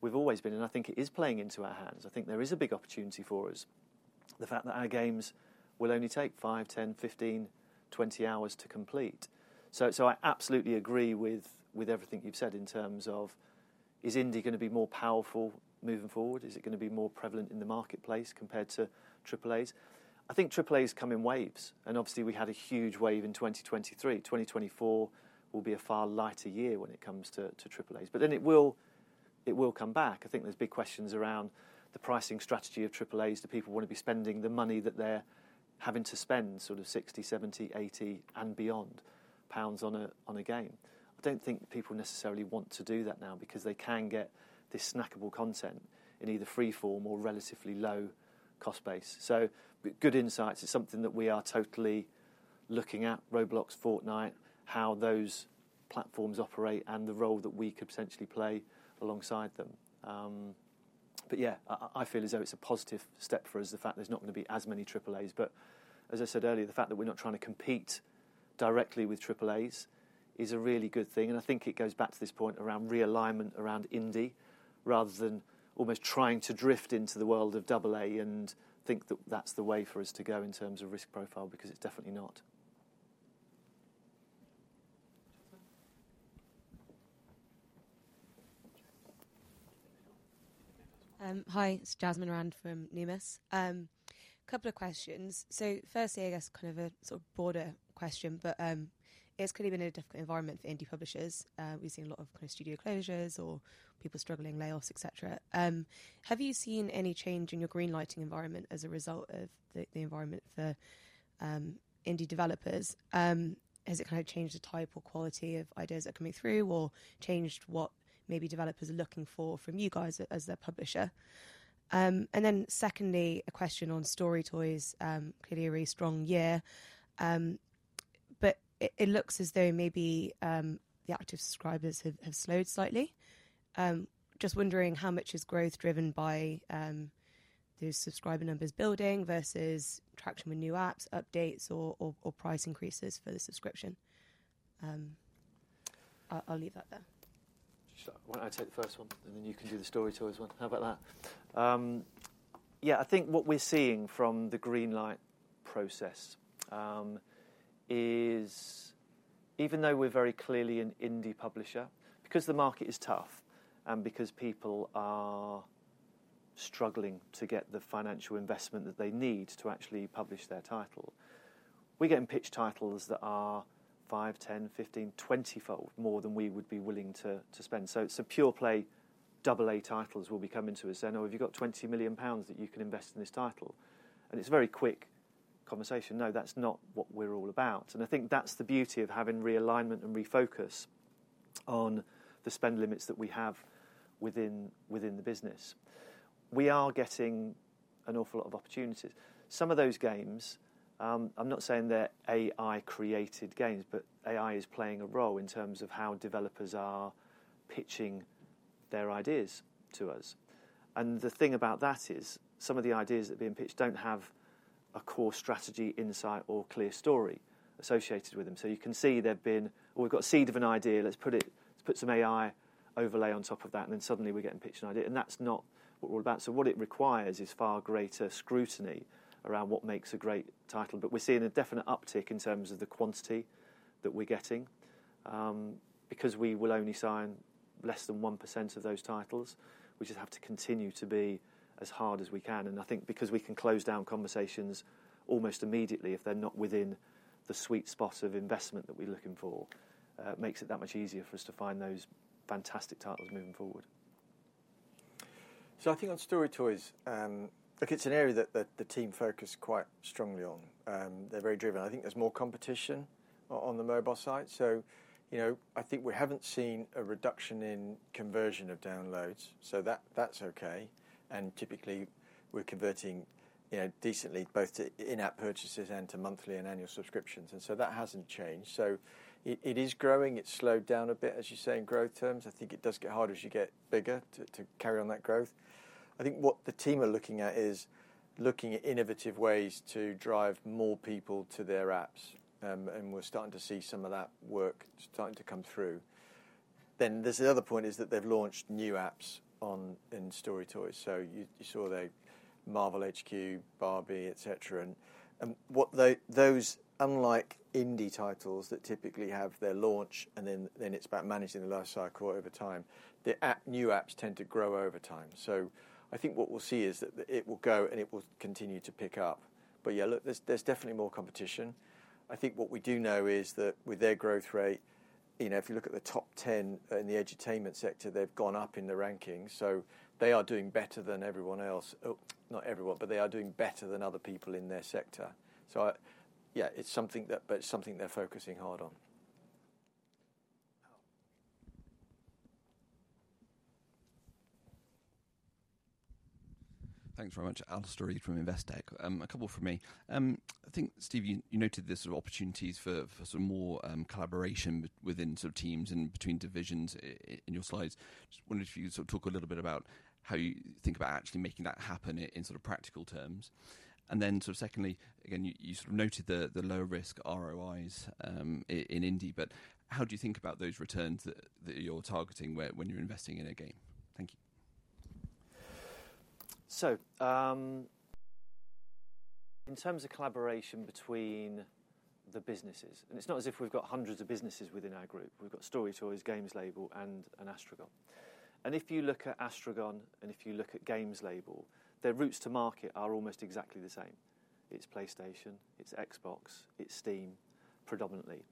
we've always been, and I think it is playing into our hands. I think there is a big opportunity for us. The fact that our games will only take 5, 10, 15, 20 hours to complete. So, so I absolutely agree with, with everything you've said in terms of, is indie going to be more powerful moving forward? Is it going to be more prevalent in the marketplace compared to AAAs? I think AAAs come in waves, and obviously we had a huge wave in 2023. 2024 will be a far lighter year when it comes to, to AAAs, but then it will, it will come back. I think there's big questions around the pricing strategy of AAAs. Do people want to be spending the money that they're having to spend, sort of 60, 70, 80, and beyond pounds on a, on a game? I don't think people necessarily want to do that now because they can get this snackable content in either free form or relatively low cost base. So good insights. It's something that we are totally looking at, Roblox, Fortnite, how those platforms operate, and the role that we could potentially play alongside them. But yeah, I feel as though it's a positive step for us, the fact there's not going to be as many AAAs. But as I said earlier, the fact that we're not trying to compete directly with AAAs is a really good thing, and I think it goes back to this point around realignment around indie, rather than almost trying to drift into the world of AA and think that that's the way for us to go in terms of risk profile, because it's definitely not. Hi, it's Jasmine Rand from Numis. Couple of questions. So firstly, I guess kind of a sort of broader question, but it's clearly been a difficult environment for indie publishers. We've seen a lot of kind of studio closures or people struggling, layoffs, et cetera. Have you seen any change in your greenlighting environment as a result of the environment for indie developers? Has it kind of changed the type or quality of ideas that are coming through, or changed what maybe developers are looking for from you guys as their publisher? And then secondly, a question on StoryToys. Clearly a really strong year. But it looks as though maybe the active subscribers have slowed slightly. Just wondering how much is growth driven by the subscriber numbers building versus traction with new apps, updates, or price increases for the subscription? I'll leave that there. Sure. Why don't I take the first one, and then you can do the StoryToys one. How about that? Yeah, I think what we're seeing from the greenlight process is even though we're very clearly an indie publisher, because the market is tough and because people are struggling to get the financial investment that they need to actually publish their title, we're getting pitched titles that are 5, 10, 15, 20-fold more than we would be willing to spend. So it's a pure play AA titles will be coming to us. "So now, have you got 20 million pounds that you can invest in this title?" And it's a very quick conversation. "No, that's not what we're all about." And I think that's the beauty of having realignment and refocus on the spend limits that we have within the business. We are getting an awful lot of opportunities. Some of those games, I'm not saying they're AI-created games, but AI is playing a role in terms of how developers are pitching their ideas to us. And the thing about that is, some of the ideas that are being pitched don't have a core strategy, insight, or clear story associated with them. So you can see they've been, "Well, we've got a seed of an idea, let's put some AI overlay on top of that," and then suddenly we're getting pitched an idea, and that's not what we're about. So what it requires is far greater scrutiny around what makes a great title. But we're seeing a definite uptick in terms of the quantity that we're getting. Because we will only sign less than 1% of those titles, we just have to continue to be as hard as we can. I think because we can close down conversations almost immediately if they're not within the sweet spot of investment that we're looking for, it makes it that much easier for us to find those fantastic titles moving forward. So I think on StoryToys, look, it's an area that the team focus quite strongly on, and they're very driven. I think there's more competition on the mobile side. So, you know, I think we haven't seen a reduction in conversion of downloads, so that's okay. And typically, we're converting, you know, decently both to in-app purchases and to monthly and annual subscriptions, and so that hasn't changed. So it is growing. It's slowed down a bit, as you say, in growth terms. I think it does get harder as you get bigger to carry on that growth. I think what the team are looking at is looking at innovative ways to drive more people to their apps. And we're starting to see some of that work starting to come through. Then there's the other point, is that they've launched new apps on, in StoryToys. So you saw the Marvel HQ, Barbie, et cetera. And what they—those, unlike indie titles that typically have their launch and then, then it's about managing the life cycle over time, the new apps tend to grow over time. So I think what we'll see is that it will go, and it will continue to pick up. But yeah, look, there's definitely more competition. I think what we do know is that with their growth rate, you know, if you look at the top 10 in the edutainment sector, they've gone up in the rankings, so they are doing better than everyone else. Not everyone, but they are doing better than other people in their sector. So I... Yeah, it's something that, but it's something they're focusing hard on. Thanks very much. Alastair Reid from Investec. A couple from me. I think, Steve, you noted there're sort of opportunities for some more collaboration within sort of teams and between divisions in your slides. Just wondered if you could sort of talk a little bit about how you think about actually making that happen in sort of practical terms. Then, so secondly, again, you sort of noted the lower risk ROIs in indie, but how do you think about those returns that you're targeting when you're investing in a game? Thank you. So, in terms of collaboration between the businesses, and it's not as if we've got hundreds of businesses within our group. We've got StoryToys, Games Label, and Astragon. And if you look at Astragon, and if you look at Games Label, their routes to market are almost exactly the same. It's PlayStation, it's Xbox, it's Steam, predominantly.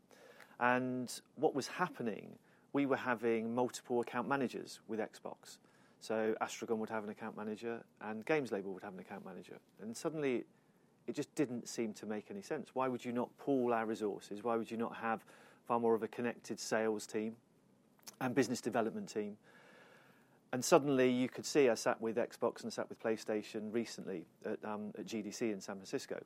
And what was happening, we were having multiple account managers with Xbox. So Astragon would have an account manager, and Games Label would have an account manager, and suddenly it just didn't seem to make any sense. Why would you not pool our resources? Why would you not have far more of a connected sales team and business development team? Suddenly, you could see I sat with Xbox, and I sat with PlayStation recently at GDC in San Francisco,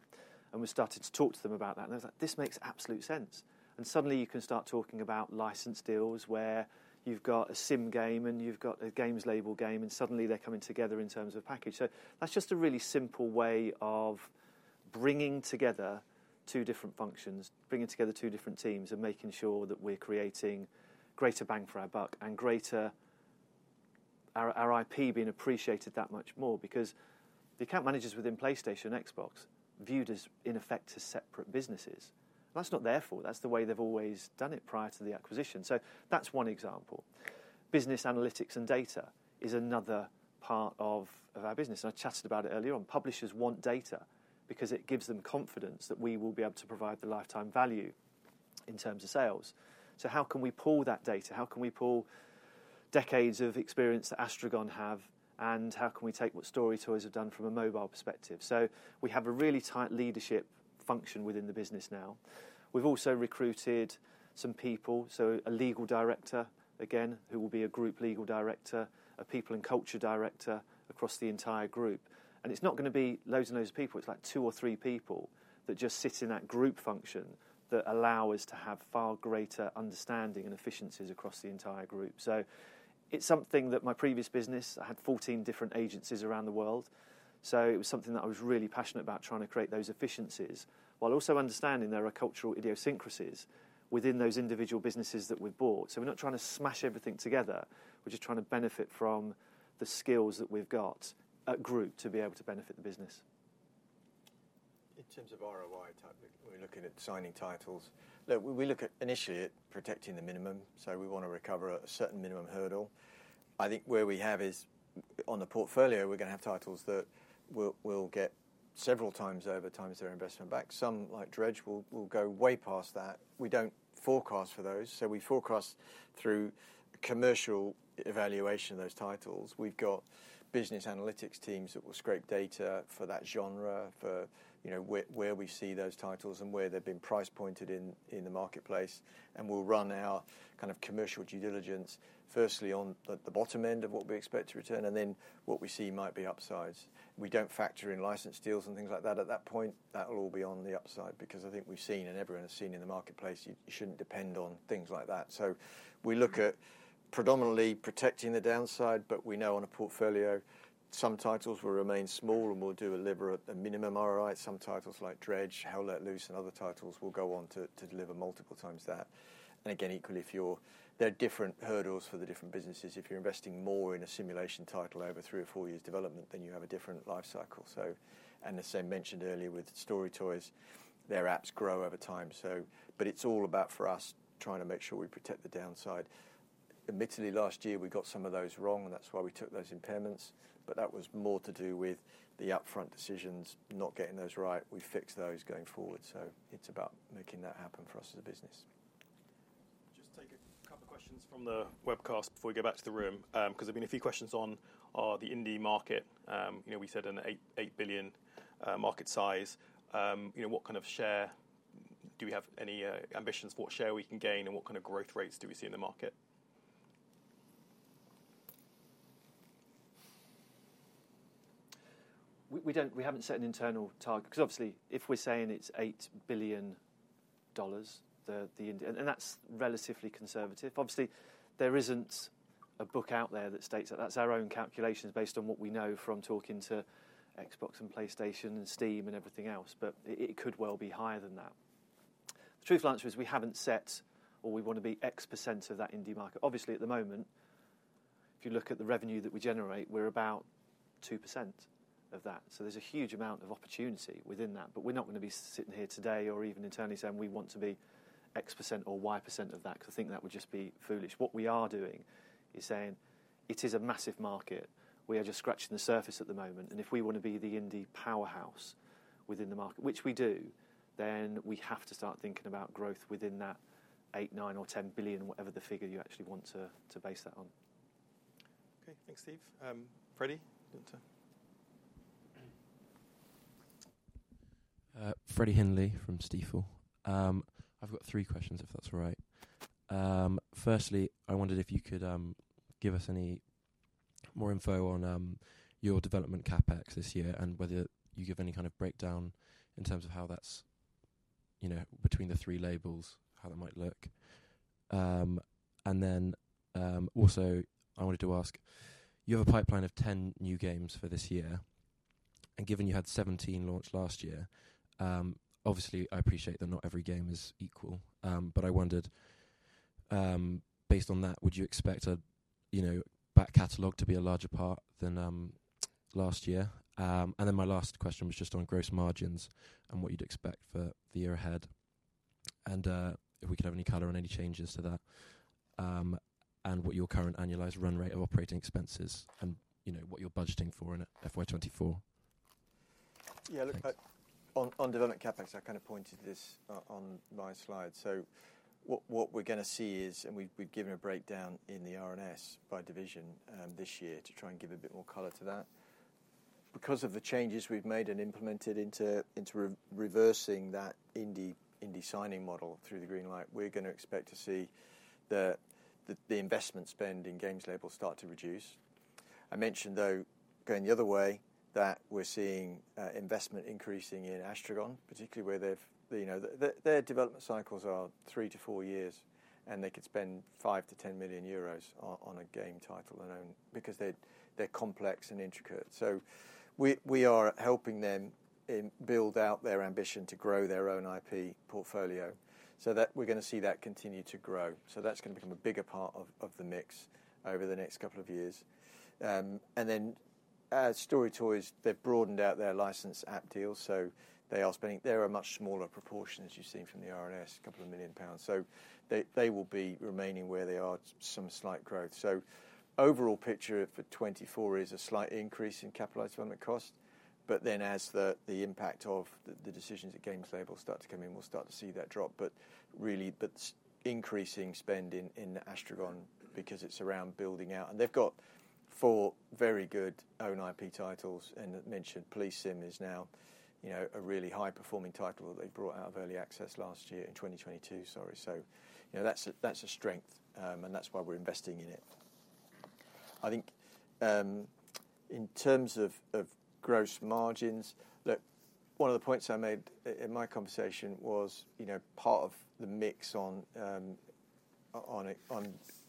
and we started to talk to them about that. And they were like: "This makes absolute sense." And suddenly, you can start talking about license deals where you've got a sim game, and you've got a Games Label game, and suddenly they're coming together in terms of package. So that's just a really simple way of bringing together two different functions, bringing together two different teams, and making sure that we're creating greater bang for our buck and greater... our IP being appreciated that much more. Because the account managers within PlayStation and Xbox viewed us, in effect, as separate businesses. And that's not their fault. That's the way they've always done it prior to the acquisition. So that's one example. Business analytics and data is another part of our business, and I chatted about it earlier on. Publishers want data because it gives them confidence that we will be able to provide the lifetime value... in terms of sales. So how can we pool that data? How can we pool decades of experience that Astragon have, and how can we take what StoryToys have done from a mobile perspective? So we have a really tight leadership function within the business now. We've also recruited some people, so a legal director, again, who will be a group legal director, a people and culture director across the entire group. And it's not gonna be loads and loads of people. It's like two or three people that just sit in that group function, that allow us to have far greater understanding and efficiencies across the entire group. So it's something that my previous business, I had 14 different agencies around the world, so it was something that I was really passionate about, trying to create those efficiencies, while also understanding there are cultural idiosyncrasies within those individual businesses that we've bought. So we're not trying to smash everything together, we're just trying to benefit from the skills that we've got at group to be able to benefit the business. In terms of ROI type, when we're looking at signing titles, look, we look at initially at protecting the minimum, so we wanna recover a certain minimum hurdle. I think where we have is, on the portfolio, we're gonna have titles that will get several times over, times their investment back. Some, like Dredge, will go way past that. We don't forecast for those, so we forecast through commercial evaluation of those titles. We've got business analytics teams that will scrape data for that genre, for, you know, where we see those titles and where they've been price pointed in the marketplace, and we'll run our kind of commercial due diligence, firstly on the bottom end of what we expect to return, and then what we see might be upsides. We don't factor in license deals and things like that at that point. That will all be on the upside, because I think we've seen, and everyone has seen in the marketplace, you, you shouldn't depend on things like that. So we look at predominantly protecting the downside, but we know on a portfolio, some titles will remain small and will do a literal, a minimum ROI. Some titles like Dredge, Hell Let Loose, and other titles, will go on to, to deliver multiple times that. And again, equally, if you're-- There are different hurdles for the different businesses. If you're investing more in a simulation title over three or four years' development, then you have a different life cycle. So... And as I mentioned earlier with StoryToys, their apps grow over time, so... But it's all about, for us, trying to make sure we protect the downside. Admittedly, last year we got some of those wrong, and that's why we took those impairments, but that was more to do with the upfront decisions, not getting those right. We've fixed those going forward, so it's about making that happen for us as a business. Just take a couple of questions from the webcast before we go back to the room, 'cause there've been a few questions on the indie market. You know, we said an $8 billion market size. You know, what kind of share— Do we have any ambitions for what share we can gain, and what kind of growth rates do we see in the market? We don't... We haven't set an internal target, 'cause obviously, if we're saying it's $8 billion, the indie... And that's relatively conservative. Obviously, there isn't a book out there that states that. That's our own calculations based on what we know from talking to Xbox and PlayStation and Steam and everything else, but it could well be higher than that. The truth of the answer is, we haven't set or we want to be X% of that indie market. Obviously, at the moment, if you look at the revenue that we generate, we're about 2% of that, so there's a huge amount of opportunity within that. But we're not gonna be sitting here today or even internally saying we want to be X% or Y% of that, 'cause I think that would just be foolish. What we are doing is saying it is a massive market, we are just scratching the surface at the moment, and if we want to be the indie powerhouse within the market, which we do, then we have to start thinking about growth within that $8 billion, $9 billion, or $10 billion, whatever the figure you actually want to base that on. Okay. Thanks, Steve. Freddie, you want to- Freddie Hindley from Stifel. I've got three questions, if that's all right. Firstly, I wondered if you could give us any more info on your development CapEx this year, and whether you give any kind of breakdown in terms of how that's, you know, between the three labels, how that might look. And then, also, I wanted to ask: You have a pipeline of 10 new games for this year, and given you had 17 launches last year, obviously, I appreciate that not every game is equal, but I wondered, based on that, would you expect a, you know, back catalog to be a larger part than last year? And then my last question was just on gross margins and what you'd expect for the year ahead, and if we could have any color on any changes to that, and what your current annualized run rate of operating expenses and, you know, what you're budgeting for in FY 2024. Yeah, look, on development CapEx, I kind of pointed this on my slide. So what we're gonna see is, and we've given a breakdown in the RNS by division, this year to try and give a bit more color to that. Because of the changes we've made and implemented into reversing that indie signing model through the greenlight, we're gonna expect to see the investment spend in Games Labels start to reduce. I mentioned, though, going the other way, that we're seeing investment increasing in Astragon, particularly where they've, you know. Their development cycles are three to four years, and they could spend 5 million-10 million euros on a game title alone because they're complex and intricate. So we are helping them in building out their ambition to grow their own IP portfolio, so that, we're gonna see that continue to grow. So that's gonna become a bigger part of the mix over the next couple of years. And then as StoryToys, they've broadened out their license app deal, so they're spending a much smaller proportion, as you've seen from the RNS, a couple of million GBP. So they will be remaining where they are, some slight growth. So overall picture for 2024 is a slight increase in capitalized development cost, but then as the impact of the decisions at Games Label start to come in, we'll start to see that drop. But really, increasing spend in Astragon because it's around building out. They've got four very good own IP titles, and I mentioned Police Simulator is now, you know, a really high-performing title that they brought out of early access last year, in 2022, sorry. So, you know, that's a strength, and that's why we're investing in it. I think, in terms of gross margins, look, one of the points I made in my conversation was, you know, part of the mix on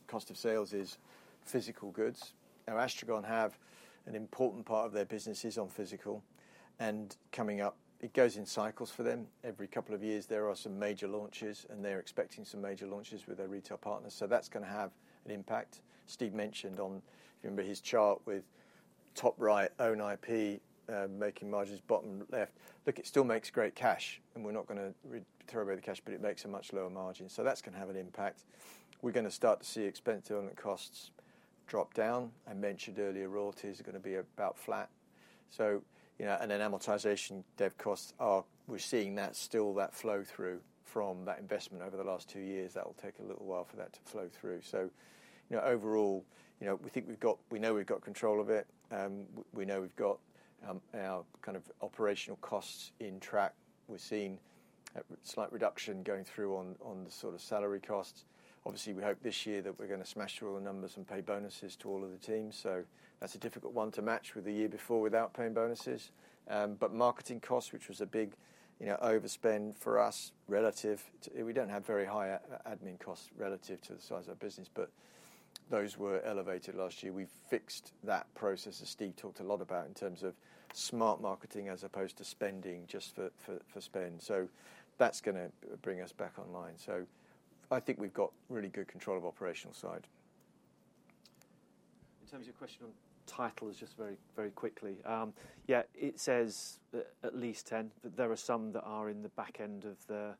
cost of sales is physical goods. Now, Astragon have an important part of their business is on physical, and coming up, it goes in cycles for them. Every couple of years there are some major launches, and they're expecting some major launches with their retail partners, so that's going to have an impact. Steve mentioned on, if you remember his chart, with top right own IP, making margins, bottom left. Look, it still makes great cash, and we're not gonna reiterate the cash, but it makes a much lower margin, so that's gonna have an impact. We're gonna start to see expense development costs drop down. I mentioned earlier, royalties are gonna be about flat. So, you know, and then amortization dev costs are, we're seeing that still, that flow-through from that investment over the last two years. That will take a little while for that to flow through. So, you know, overall, you know, we think we've got- we know we've got control of it. We know we've got, our kind of operational costs in track. We've seen a slight reduction going through on, on the sort of salary costs. Obviously, we hope this year that we're gonna smash all the numbers and pay bonuses to all of the teams, so that's a difficult one to match with the year before without paying bonuses. But marketing costs, which was a big, you know, overspend for us relative to... We don't have very high admin costs relative to the size of our business, but those were elevated last year. We've fixed that process, as Steve talked a lot about, in terms of smart marketing as opposed to spending just for spend. So that's gonna bring us back online. So I think we've got really good control of operational side. In terms of your question on titles, just very, very quickly, yeah, it says at least 10, but there are some that are in the back end of the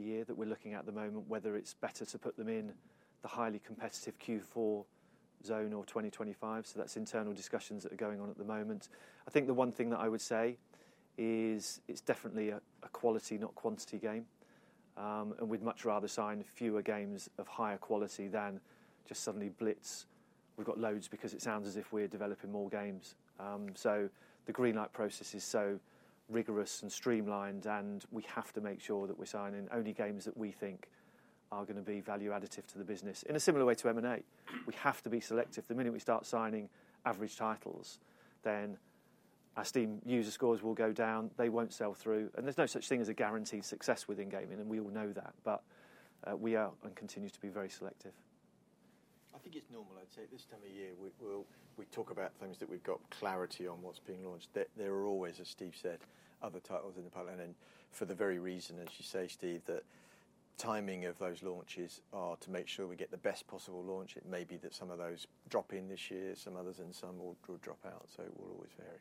year that we're looking at the moment, whether it's better to put them in the highly competitive Q4 zone or 2025, so that's internal discussions that are going on at the moment. I think the one thing that I would say is, it's definitely a quality not quantity game, and we'd much rather sign fewer games of higher quality than just suddenly blitz, we've got loads because it sounds as if we're developing more games. So the Greenlight process is so rigorous and streamlined, and we have to make sure that we're signing only games that we think are gonna be value additive to the business. In a similar way to M&A, we have to be selective. The minute we start signing average titles, then our Steam user scores will go down, they won't sell through, and there's no such thing as a guaranteed success within gaming, and we all know that. But, we are and continue to be very selective. I think it's normal. I'd say this time of year, we'll talk about things that we've got clarity on what's being launched. There are always, as Steve said, other titles in the pipeline, and for the very reason, as you say, Steve, that timing of those launches are to make sure we get the best possible launch. It may be that some of those drop in this year, some others, and some will drop out, so it will always vary.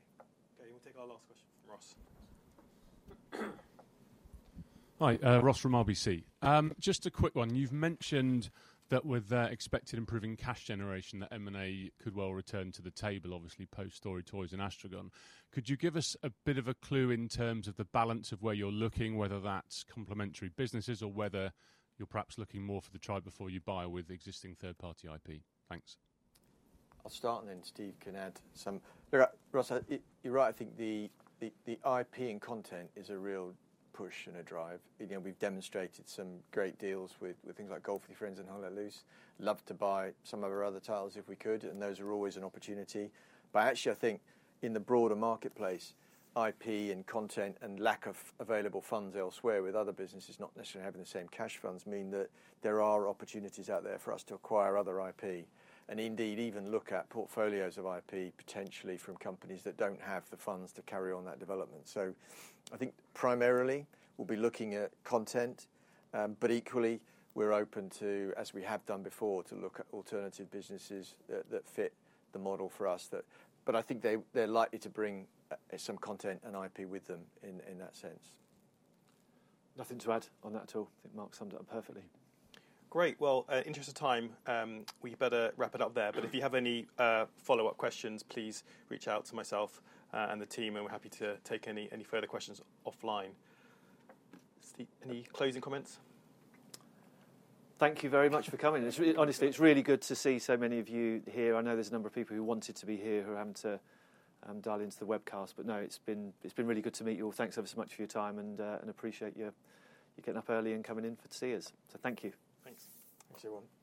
Okay, we'll take our last question from Ross. Hi, Ross from RBC. Just a quick one. You've mentioned that with the expected improving cash generation, that M&A could well return to the table, obviously post StoryToys and Astragon. Could you give us a bit of a clue in terms of the balance of where you're looking, whether that's complementary businesses or whether you're perhaps looking more for the try before you buy with existing third-party IP? Thanks. I'll start and then Steve can add some. Yeah, Ross, you're right, I think the IP and content is a real push and a drive. You know, we've demonstrated some great deals with things like Golf With Your Friends and Hell Let Loose. Love to buy some of our other titles if we could, and those are always an opportunity. But actually, I think in the broader marketplace, IP and content and lack of available funds elsewhere with other businesses not necessarily having the same cash funds mean that there are opportunities out there for us to acquire other IP, and indeed even look at portfolios of IP, potentially from companies that don't have the funds to carry on that development. So I think primarily we'll be looking at content, but equally we're open to, as we have done before, to look at alternative businesses that fit the model for us. But I think they're likely to bring some content and IP with them in that sense. Nothing to add on that at all. I think Mark summed it up perfectly. Great! Well, in the interest of time, we better wrap it up there. But if you have any follow-up questions, please reach out to myself and the team, and we're happy to take any, any further questions offline. Steve, any closing comments? Thank you very much for coming. It's really. Honestly, it's really good to see so many of you here. I know there's a number of people who wanted to be here who are having to dial into the webcast, but no, it's been, it's been really good to meet you all. Thanks ever so much for your time and appreciate you getting up early and coming in to see us. So thank you. Thanks. Thanks, everyone.